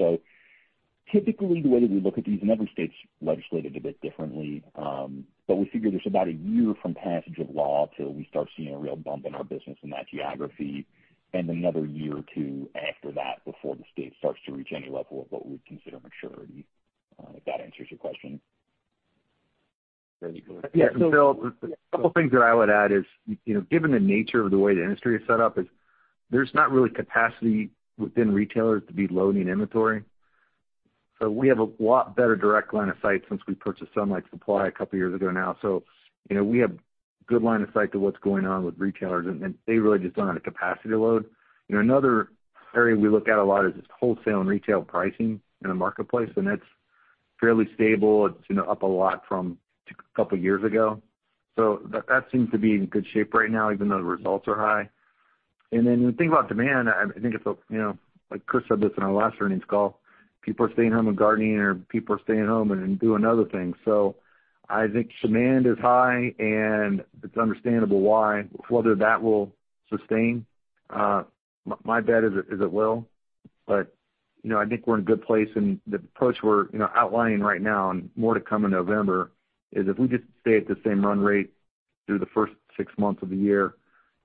Typically, the way that we look at these, and every state's legislated a bit differently, but we figure there's about a year from passage of law till we start seeing a real bump in our business in that geography, and another year or two after that before the state starts to reach any level of what we'd consider maturity. If that answers your question. Yeah. Bill, a couple things that I would add is, given the nature of the way the industry is set up, is there's not really capacity within retailers to be loading inventory. We have a lot better direct line of sight since we purchased Sunlight Supply a couple of years ago now. We have good line of sight to what's going on with retailers, and they really just don't have the capacity to load. Another area we look at a lot is just wholesale and retail pricing in the marketplace, and that's fairly stable. It's up a lot from a couple of years ago. That seems to be in good shape right now, even though the results are high. When you think about demand, I think it's, like Chris said this in our last earnings call, people are staying home and gardening, or people are staying home and doing other things. I think demand is high, and it's understandable why. Whether that will sustain, my bet is it will. I think we're in a good place, and the approach we're outlining right now and more to come in November is if we just stay at the same run rate through the first six months of the year,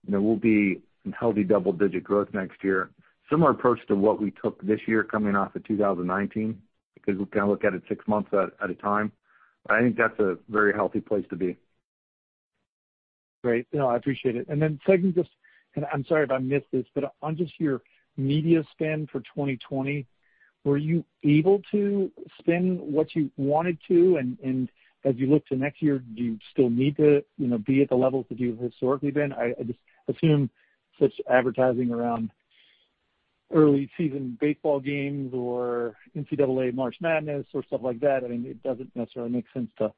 we'll be in healthy double-digit growth next year. Similar approach to what we took this year coming off of 2019, because we kind of look at it six months at a time. I think that's a very healthy place to be. Great. No, I appreciate it. Second, just, I'm sorry if I missed this, on just your media spend for 2020, were you able to spend what you wanted to? As you look to next year, do you still need to be at the levels that you've historically been? I just assume such advertising around early-season baseball games or NCAA March Madness or stuff like that, it doesn't necessarily make sense to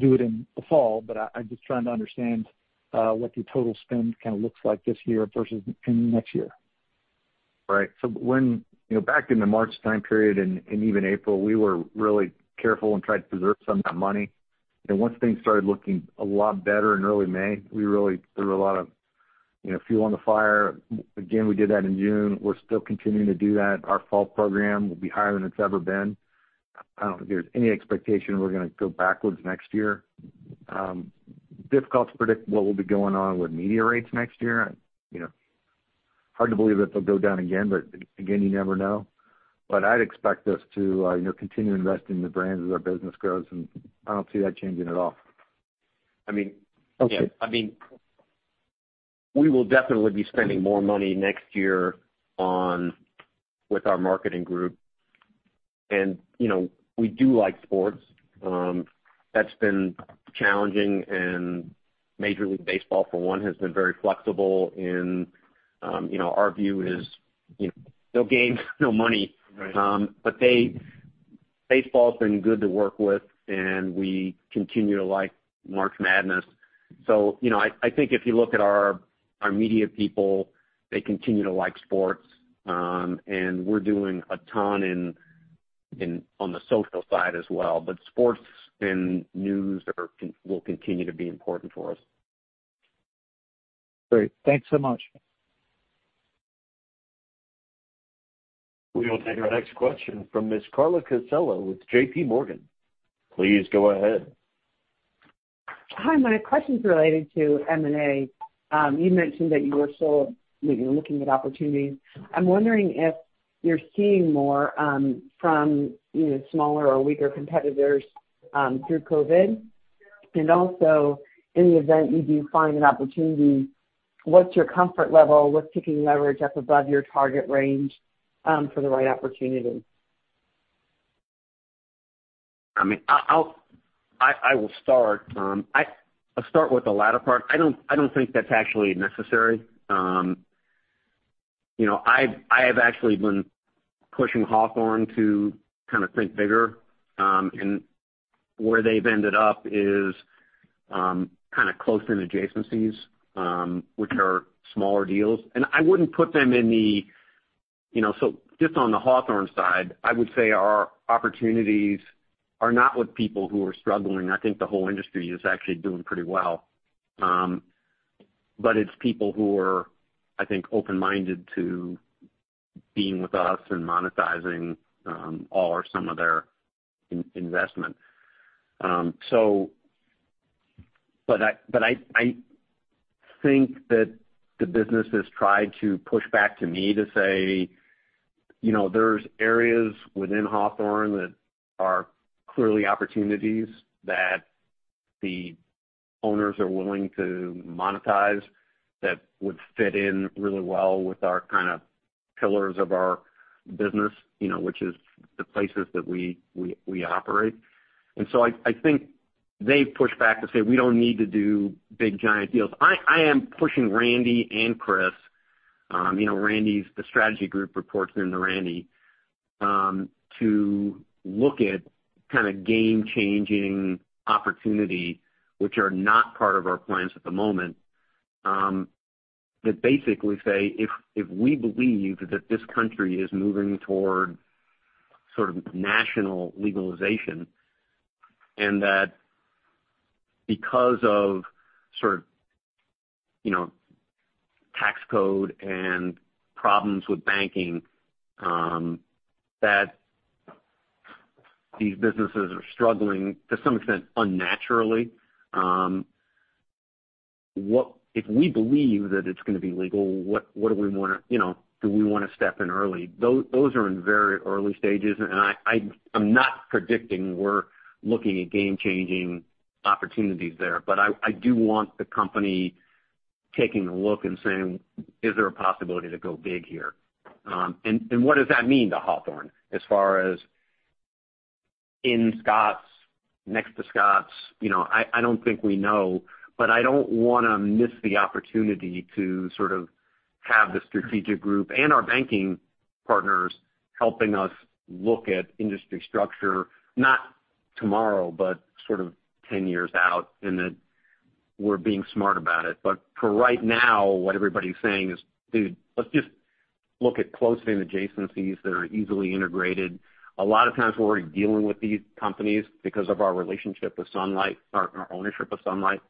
do it in the fall. I'm just trying to understand what the total spend kind of looks like this year versus in next year. Right. Back in the March time period and even April, we were really careful and tried to preserve some of that money. Once things started looking a lot better in early May, we really threw a lot of fuel on the fire. Again, we did that in June. We're still continuing to do that. Our fall program will be higher than it's ever been. I don't think there's any expectation we're going to go backwards next year. Difficult to predict what will be going on with media rates next year. Hard to believe that they'll go down again, but again, you never know. I'd expect us to continue investing in the brand as our business grows, and I don't see that changing at all. I mean. Okay. We will definitely be spending more money next year with our marketing group. We do like sports. That's been challenging. Major League Baseball, for one, has been very flexible in our view is no game, no money. Right. Baseball's been good to work with, and we continue to like March Madness. I think if you look at our media people, they continue to like sports. We're doing a ton on the social side as well, but sports and news will continue to be important for us. Great. Thanks so much. We will take our next question from Ms. Carla Casella with JPMorgan. Please go ahead. Hi. My question's related to M&A. You mentioned that you were still looking at opportunities. I'm wondering if you're seeing more from smaller or weaker competitors through COVID. In the event you do find an opportunity, what's your comfort level with taking leverage up above your target range for the right opportunity? I will start. I'll start with the latter part. I don't think that's actually necessary. I have actually been pushing Hawthorne to think bigger. Where they've ended up is close in adjacencies, which are smaller deals. Just on the Hawthorne side, I would say our opportunities are not with people who are struggling. I think the whole industry is actually doing pretty well. It's people who are, I think, open-minded to being with us and monetizing all or some of their investment. I think that the business has tried to push back to me to say, there's areas within Hawthorne that are clearly opportunities that the owners are willing to monetize that would fit in really well with our pillars of our business, which is the places that we operate. I think they've pushed back to say, "We don't need to do big, giant deals." I am pushing Randy and Chris. The strategy group reports in to Randy, to look at game-changing opportunity, which are not part of our plans at the moment. Basically say, if we believe that this country is moving toward national legalization and that because of tax code and problems with banking, that these businesses are struggling to some extent unnaturally. If we believe that it's going to be legal, do we want to step in early? Those are in very early stages, and I'm not predicting we're looking at game-changing opportunities there. I do want the company taking a look and saying, "Is there a possibility to go big here?" What does that mean to Hawthorne as far as in Scotts, next to Scotts? I don't think we know, but I don't want to miss the opportunity to have the strategic group and our banking partners helping us look at industry structure, not tomorrow, but sort of 10 years out, and that we're being smart about it. For right now, what everybody's saying is, "Dude, let's just look at close-in adjacencies that are easily integrated." A lot of times we're already dealing with these companies because of our relationship with Sunlight, our ownership of Sunlight.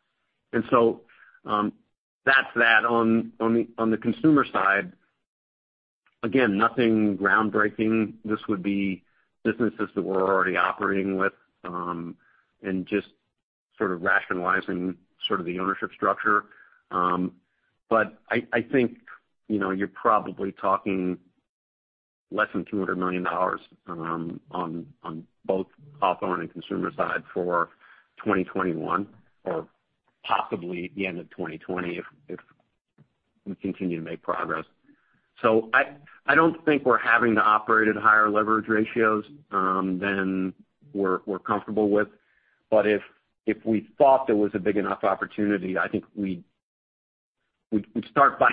That's that. On the consumer side, again, nothing groundbreaking. This would be businesses that we're already operating with, and just rationalizing the ownership structure. I think, you're probably talking less than $200 million on both Hawthorne and consumer side for 2021 or possibly at the end of 2020 if we continue to make progress. I don't think we're having to operate at higher leverage ratios than we're comfortable with. If we thought there was a big enough opportunity, I think we'd start by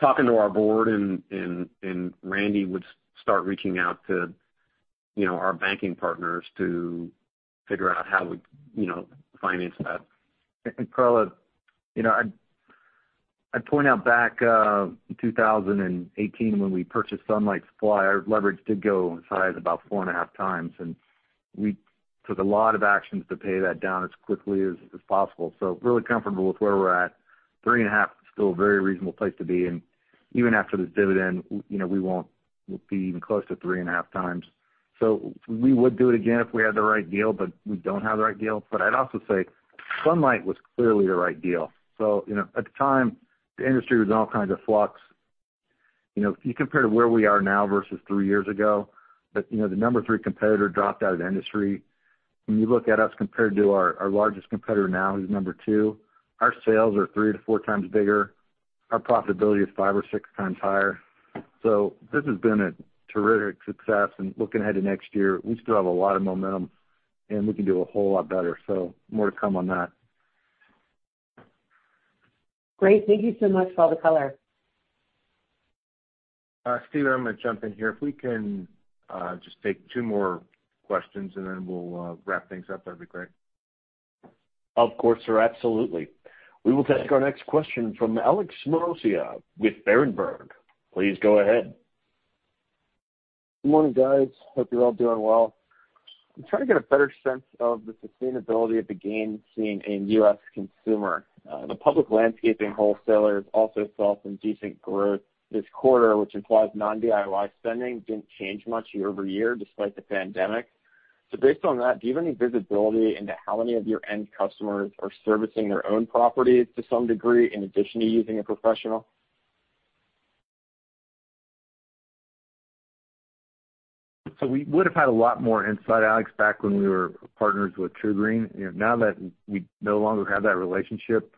talking to our board, and Randy would start reaching out to our banking partners to figure out how we'd finance that. Carla, I'd point out back in 2018 when we purchased Sunlight Supply, our leverage did go as high as about 4.5x, and we took a lot of actions to pay that down as quickly as possible. Really comfortable with where we're at. 3.5 is still a very reasonable place to be, and even after this dividend, we won't be even close to 3.5x. We would do it again if we had the right deal, but we don't have the right deal. I'd also say Sunlight was clearly the right deal. At the time, the industry was in all kinds of flux. If you compare to where we are now versus three years ago, the number three competitor dropped out of the industry. When you look at us compared to our largest competitor now, who's number two, our sales are 3x-4x bigger. Our profitability is 5x-6x higher. This has been a terrific success. Looking ahead to next year, we still have a lot of momentum, and we can do a whole lot better. More to come on that. Great. Thank you so much for all the color. Steve, I'm going to jump in here. If we can just take two more questions and then we'll wrap things up, that'd be great. Of course, sir. Absolutely. We will take our next question from Alex Maroccia with Berenberg. Please go ahead. Good morning, guys. Hope you're all doing well. I'm trying to get a better sense of the sustainability of the gain seen in U.S. consumer. The public landscaping wholesalers also saw some decent growth this quarter, which implies non-DIY spending didn't change much year-over-year despite the pandemic. Based on that, do you have any visibility into how many of your end customers are servicing their own properties to some degree in addition to using a professional? We would have had a lot more insight, Alex, back when we were partners with TruGreen. Now that we no longer have that relationship,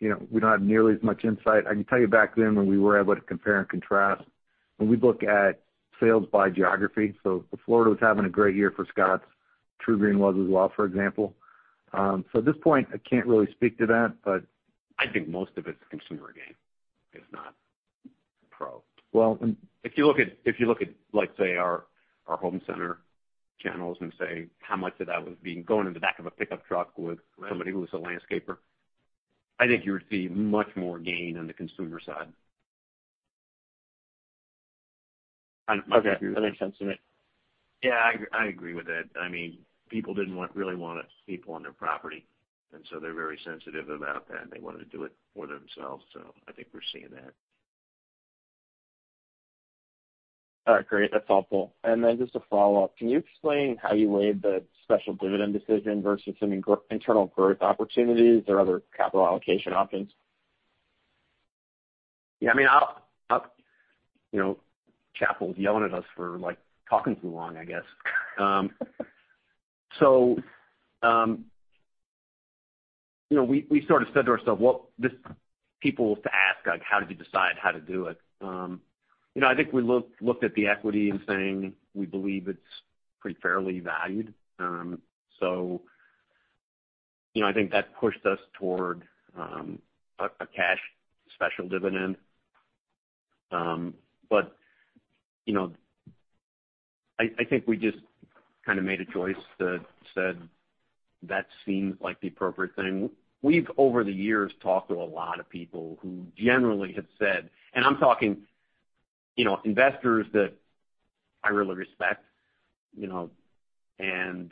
we don't have nearly as much insight. I can tell you back then when we were able to compare and contrast, when we'd look at sales by geography, so if Florida was having a great year for Scotts, TruGreen was as well, for example. At this point, I can't really speak to that. I think most of it's consumer gain. It's not pro. Well. If you look at, let's say our home center channels and say how much of that was being going in the back of a pickup truck with somebody who was a landscaper, I think you would see much more gain on the consumer side. Okay. That makes sense to me. Yeah, I agree with that. People didn't really want people on their property. They're very sensitive about that. They wanted to do it for themselves. I think we're seeing that. All right, great. That's helpful. Just a follow-up, can you explain how you weighed the special dividend decision versus some internal growth opportunities or other capital allocation options? Yeah. Chappell's yelling at us for talking too long, I guess. We sort of said to ourselves, well, people will ask, how did you decide how to do it? I think we looked at the equity and saying, we believe it's pretty fairly valued. I think that pushed us toward a cash special dividend. I think we just kind of made a choice that said that seems like the appropriate thing. We've, over the years, talked to a lot of people who generally have said, and I'm talking investors that I really respect, and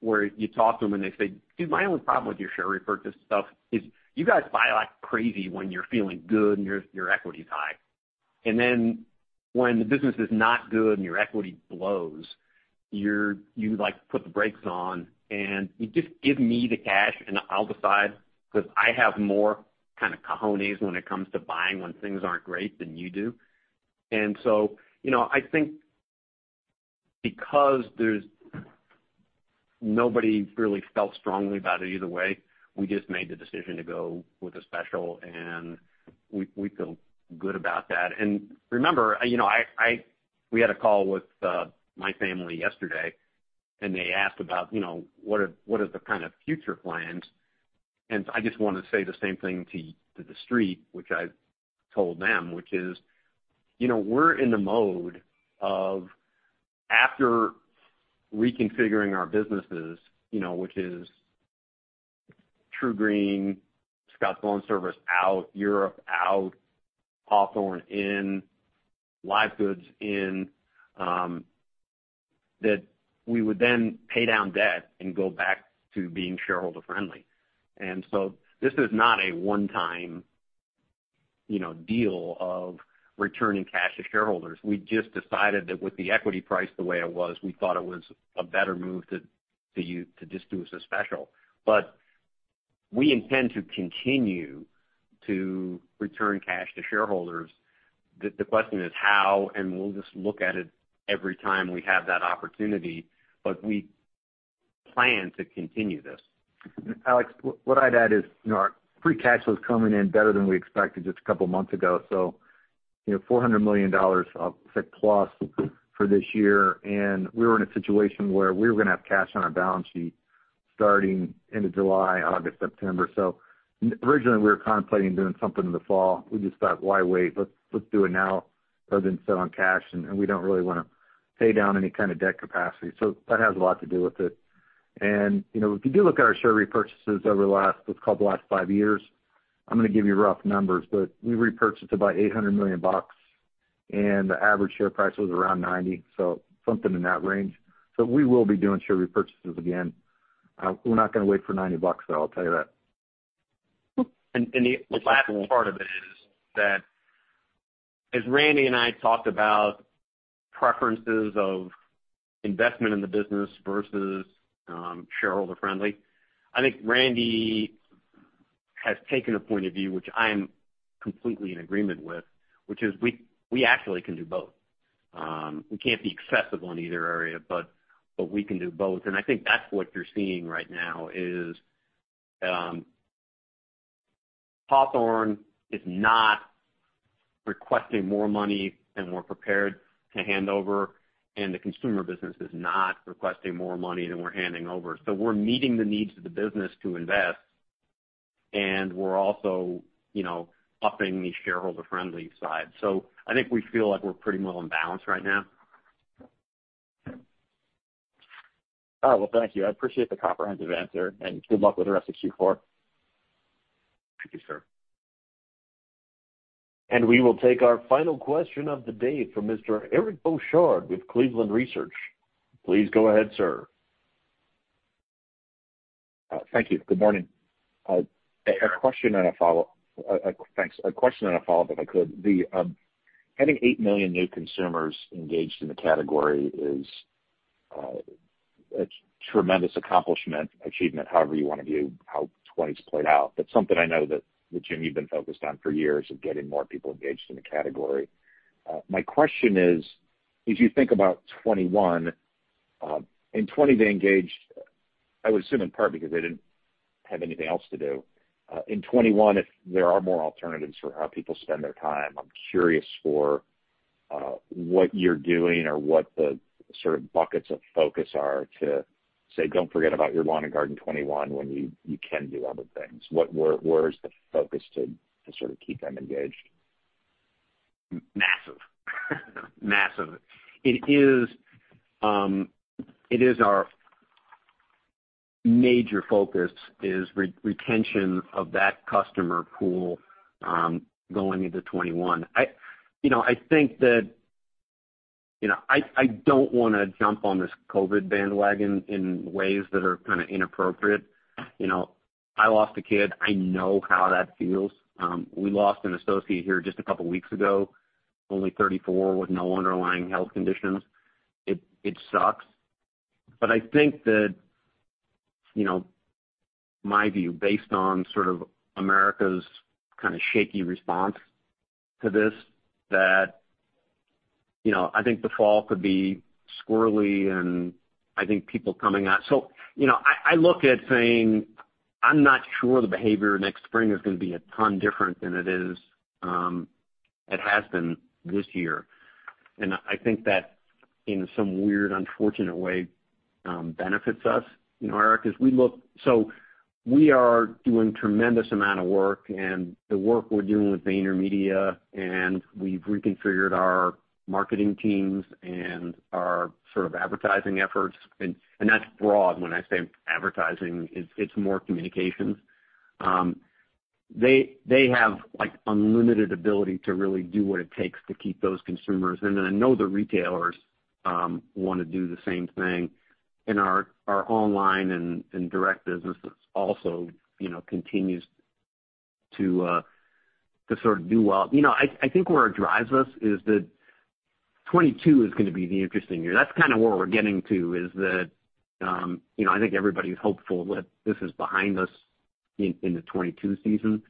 where you talk to them and they say, "Dude, my only problem with your share repurchase stuff is you guys buy like crazy when you're feeling good and your equity's high. When the business is not good and your equity blows, you put the brakes on and you just give me the cash and I'll decide because I have more kind of cajones when it comes to buying when things aren't great than you do. I think because there's nobody really felt strongly about it either way, we just made the decision to go with a special and we feel good about that. Remember, we had a call with my family yesterday, and they asked about what are the kind of future plans. I just want to say the same thing to the Street, which I told them, which is, we're in the mode of after reconfiguring our businesses, which is TruGreen, Scotts LawnService out, Europe out, Hawthorne in, live goods in, that we would then pay down debt and go back to being shareholder friendly. This is not a one-time deal of returning cash to shareholders. We just decided that with the equity price the way it was, we thought it was a better move to just do as a special. We intend to continue to return cash to shareholders. The question is how, and we'll just look at it every time we have that opportunity, but we plan to continue this. Alex, what I'd add is our free cash flow's coming in better than we expected just a couple of months ago. So, $400 million+ for this year, and we were in a situation where we were going to have cash on our balance sheet starting end of July, August, September. Originally we were contemplating doing something in the fall. We just thought, why wait? Let's do it now rather than sit on cash and we don't really want to pay down any kind of debt capacity. That has a lot to do with it. If you do look at our share repurchases over the last, let's call it the last five years, I'm going to give you rough numbers, but we repurchased about $800 million and the average share price was around $90, so something in that range. We will be doing share repurchases again. We're not going to wait for $90 though, I'll tell you that. The last part of it is that, as Randy and I talked about preferences of investment in the business versus shareholder friendly, I think Randy has taken a point of view, which I am completely in agreement with, which is we actually can do both. We can't be excessive on either area, but we can do both. I think that's what you're seeing right now is, Hawthorne is not requesting more money than we're prepared to hand over, and the consumer business is not requesting more money than we're handing over. We're meeting the needs of the business to invest, and we're also upping the shareholder-friendly side. I think we feel like we're pretty well in balance right now. All right. Well, thank you. I appreciate the comprehensive answer. Good luck with the rest of Q4. Thank you, sir. We will take our final question of the day from Mr. Eric Bosshard with Cleveland Research. Please go ahead, sir. Thank you. Good morning. Hey, Eric. Thanks. A question and a follow-up, if I could. Having 8 million new consumers engaged in the category is a tremendous accomplishment, achievement, however you want to view how 2020s played out. Something I know that, Jim, you've been focused on for years of getting more people engaged in the category. My question is: as you think about 2021, in 2020 they engaged, I would assume, in part because they didn't have anything else to do. In 2021, if there are more alternatives for how people spend their time, I'm curious for what you're doing or what the sort of buckets of focus are to say, "Don't forget about your lawn and garden 2021 when you can do other things." Where is the focus to sort of keep them engaged? Massive. Massive. It is our major focus is retention of that customer pool going into 2021. I don't want to jump on this COVID bandwagon in ways that are kind of inappropriate. I lost a kid. I know how that feels. We lost an associate here just a couple of weeks ago, only 34 with no underlying health conditions. It sucks. I think that my view, based on America's kind of shaky response to this, that I think the fall could be squirrely and I think people coming out. I look at saying I'm not sure the behavior next spring is going to be a ton different than it has been this year. I think that in some weird, unfortunate way, benefits us, Eric. We are doing tremendous amount of work and the work we're doing with VaynerMedia, and we've reconfigured our marketing teams and our sort of advertising efforts. That's broad when I say advertising, it's more communications. They have unlimited ability to really do what it takes to keep those consumers. I know the retailers want to do the same thing in our online and direct business that also continues to sort of do well. I think where it drives us is that 2022 is gonna be the interesting year. That's kind of where we're getting to is that I think everybody's hopeful that this is behind us in the 2022 season.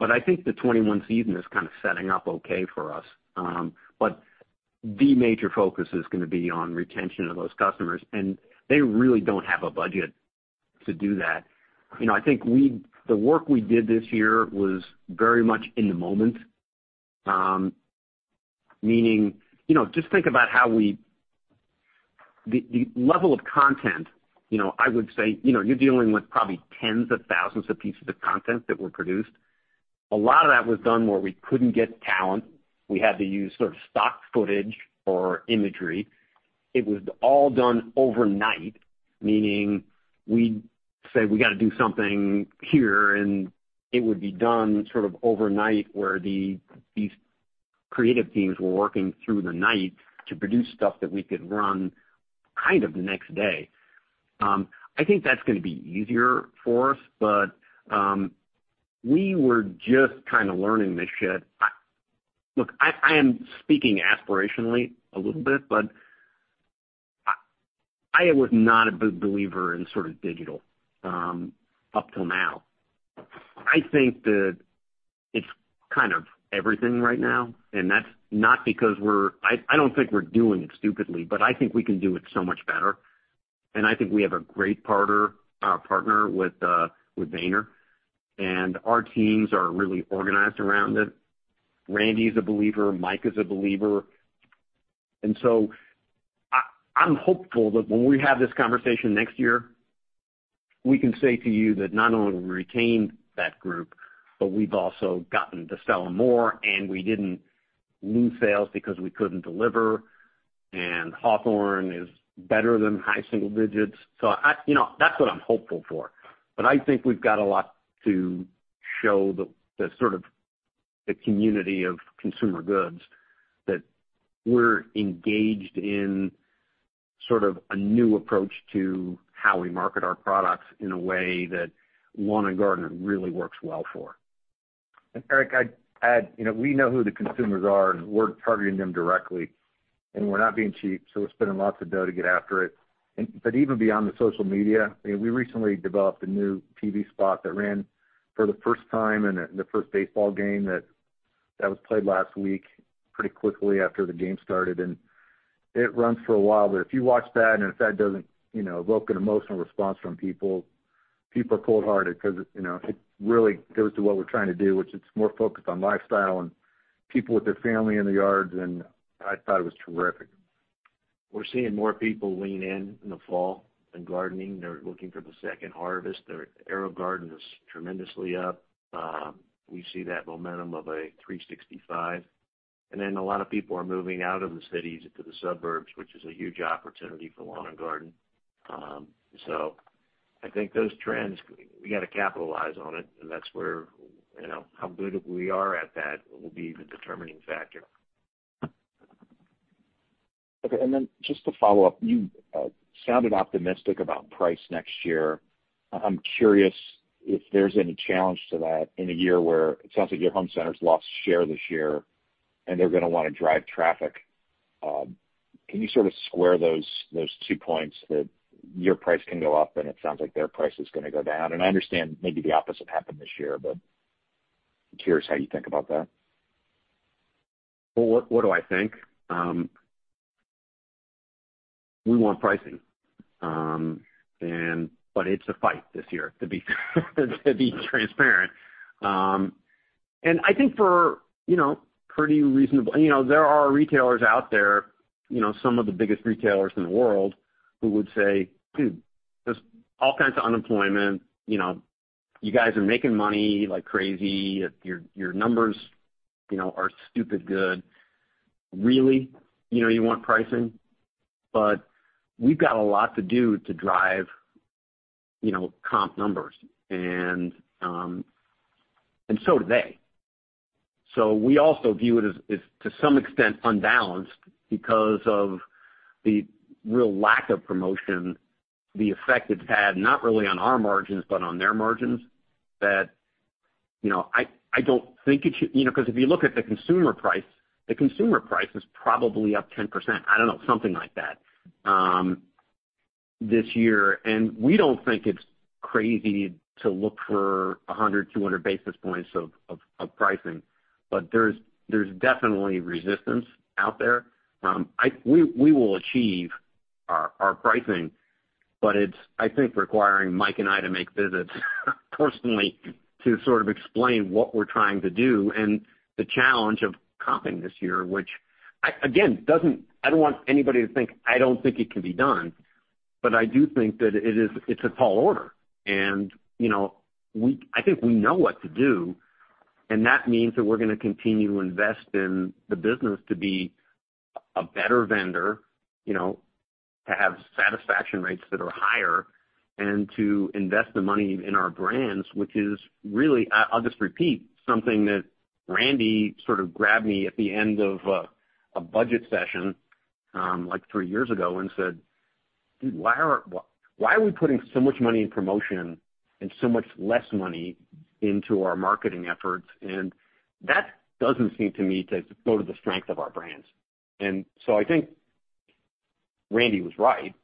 I think the 2021 season is kind of setting up okay for us. The major focus is gonna be on retention of those customers, and they really don't have a budget to do that. I think the work we did this year was very much in the moment. Meaning, just think about how the level of content, I would say, you're dealing with probably tens of thousands of pieces of content that were produced. A lot of that was done where we couldn't get talent. We had to use sort of stock footage or imagery. It was all done overnight, meaning we'd say we got to do something here, and it would be done sort of overnight where these creative teams were working through the night to produce stuff that we could run kind of the next day. I think that's gonna be easier for us, but we were just kind of learning this shit. I am speaking aspirationally a little bit, but I was not a big believer in sort of digital up till now. I think that it's kind of everything right now, and that's not because we're-- I don't think we're doing it stupidly, but I think we can do it so much better. I think we have a great partner with Vayner, and our teams are really organized around it. Randy's a believer, Mike is a believer. I'm hopeful that when we have this conversation next year, we can say to you that not only we retained that group, but we've also gotten to sell more, and we didn't lose sales because we couldn't deliver, and Hawthorne is better than high single digits. That's what I'm hopeful for. I think we've got a lot to show the sort of the community of consumer goods that we're engaged in. Sort of a new approach to how we market our products in a way that lawn and garden really works well for. Eric, I'd add, we know who the consumers are, and we're targeting them directly, and we're not being cheap, so we're spending lots of dough to get after it. Even beyond the social media, we recently developed a new TV spot that ran for the first time in the first baseball game that was played last week, pretty quickly after the game started. It runs for a while. If you watch that and if that doesn't evoke an emotional response from people are cold-hearted because it really goes to what we're trying to do, which it's more focused on lifestyle and people with their family in the yards, and I thought it was terrific. We're seeing more people lean in in the fall in gardening. They're looking for the second harvest. Their AeroGarden is tremendously up. We see that momentum of a 365. A lot of people are moving out of the cities into the suburbs, which is a huge opportunity for lawn and garden. I think those trends, we got to capitalize on it, and that's where how good we are at that will be the determining factor. Okay, just to follow up. You sounded optimistic about price next year. I am curious if there is any challenge to that in a year where it sounds like your home centers lost share this year and they are going to want to drive traffic. Can you sort of square those two points that your price can go up and it sounds like their price is going to go down? I understand maybe the opposite happened this year, but I am curious how you think about that. Well, what do I think? We want pricing. It's a fight this year to be transparent. I think for pretty reasonable there are retailers out there, some of the biggest retailers in the world, who would say, "Dude, there's all kinds of unemployment. You guys are making money like crazy. Your numbers are stupid good. Really, you want pricing?" We've got a lot to do to drive comp numbers and so do they. We also view it as to some extent unbalanced because of the real lack of promotion, the effect it's had, not really on our margins but on their margins, that I don't think it should because if you look at the consumer price, the consumer price is probably up 10%. I don't know, something like that this year. We don't think it's crazy to look for 100, 200 basis points of pricing. There's definitely resistance out there. We will achieve our pricing, but it's, I think, requiring Mike and I to make visits personally to sort of explain what we're trying to do and the challenge of comping this year, which again, I don't want anybody to think I don't think it can be done, but I do think that it's a tall order. I think we know what to do, and that means that we're going to continue to invest in the business to be a better vendor, to have satisfaction rates that are higher and to invest the money in our brands, which is really. I'll just repeat something that Randy sort of grabbed me at the end of a budget session like three years ago and said, "Dude, why are we putting so much money in promotion and so much less money into our marketing efforts? That doesn't seem to me to go to the strength of our brands." I think Randy was right,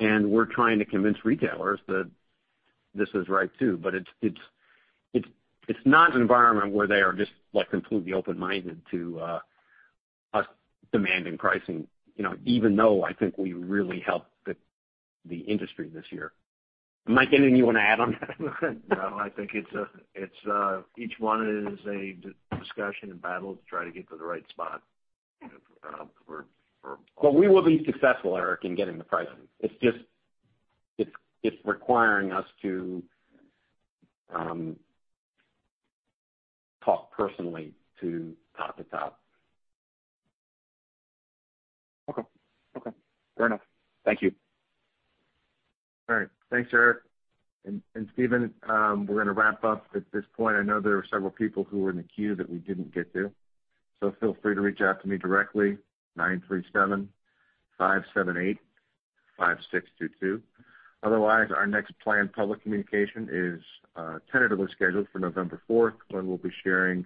and we're trying to convince retailers that this is right, too. It's not an environment where they are just completely open-minded to us demanding pricing even though I think we really helped the industry this year. Mike, anything you want to add on that? No, I think each one is a discussion and battle to try to get to the right spot. We will be successful, Eric, in getting the pricing. It's just requiring us to talk personally to top to top. Okay. Fair enough. Thank you. All right. Thanks, Eric and Steven. We're going to wrap up at this point. I know there are several people who were in the queue that we didn't get to, so feel free to reach out to me directly, (937) 578-5622. Otherwise, our next planned public communication is tentatively scheduled for November 4th, when we'll be sharing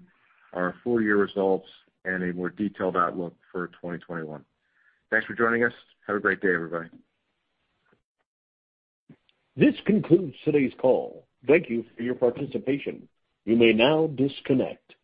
our full-year results and a more detailed outlook for 2021. Thanks for joining us. Have a great day, everybody. This concludes today's call. Thank you for your participation. You may now disconnect.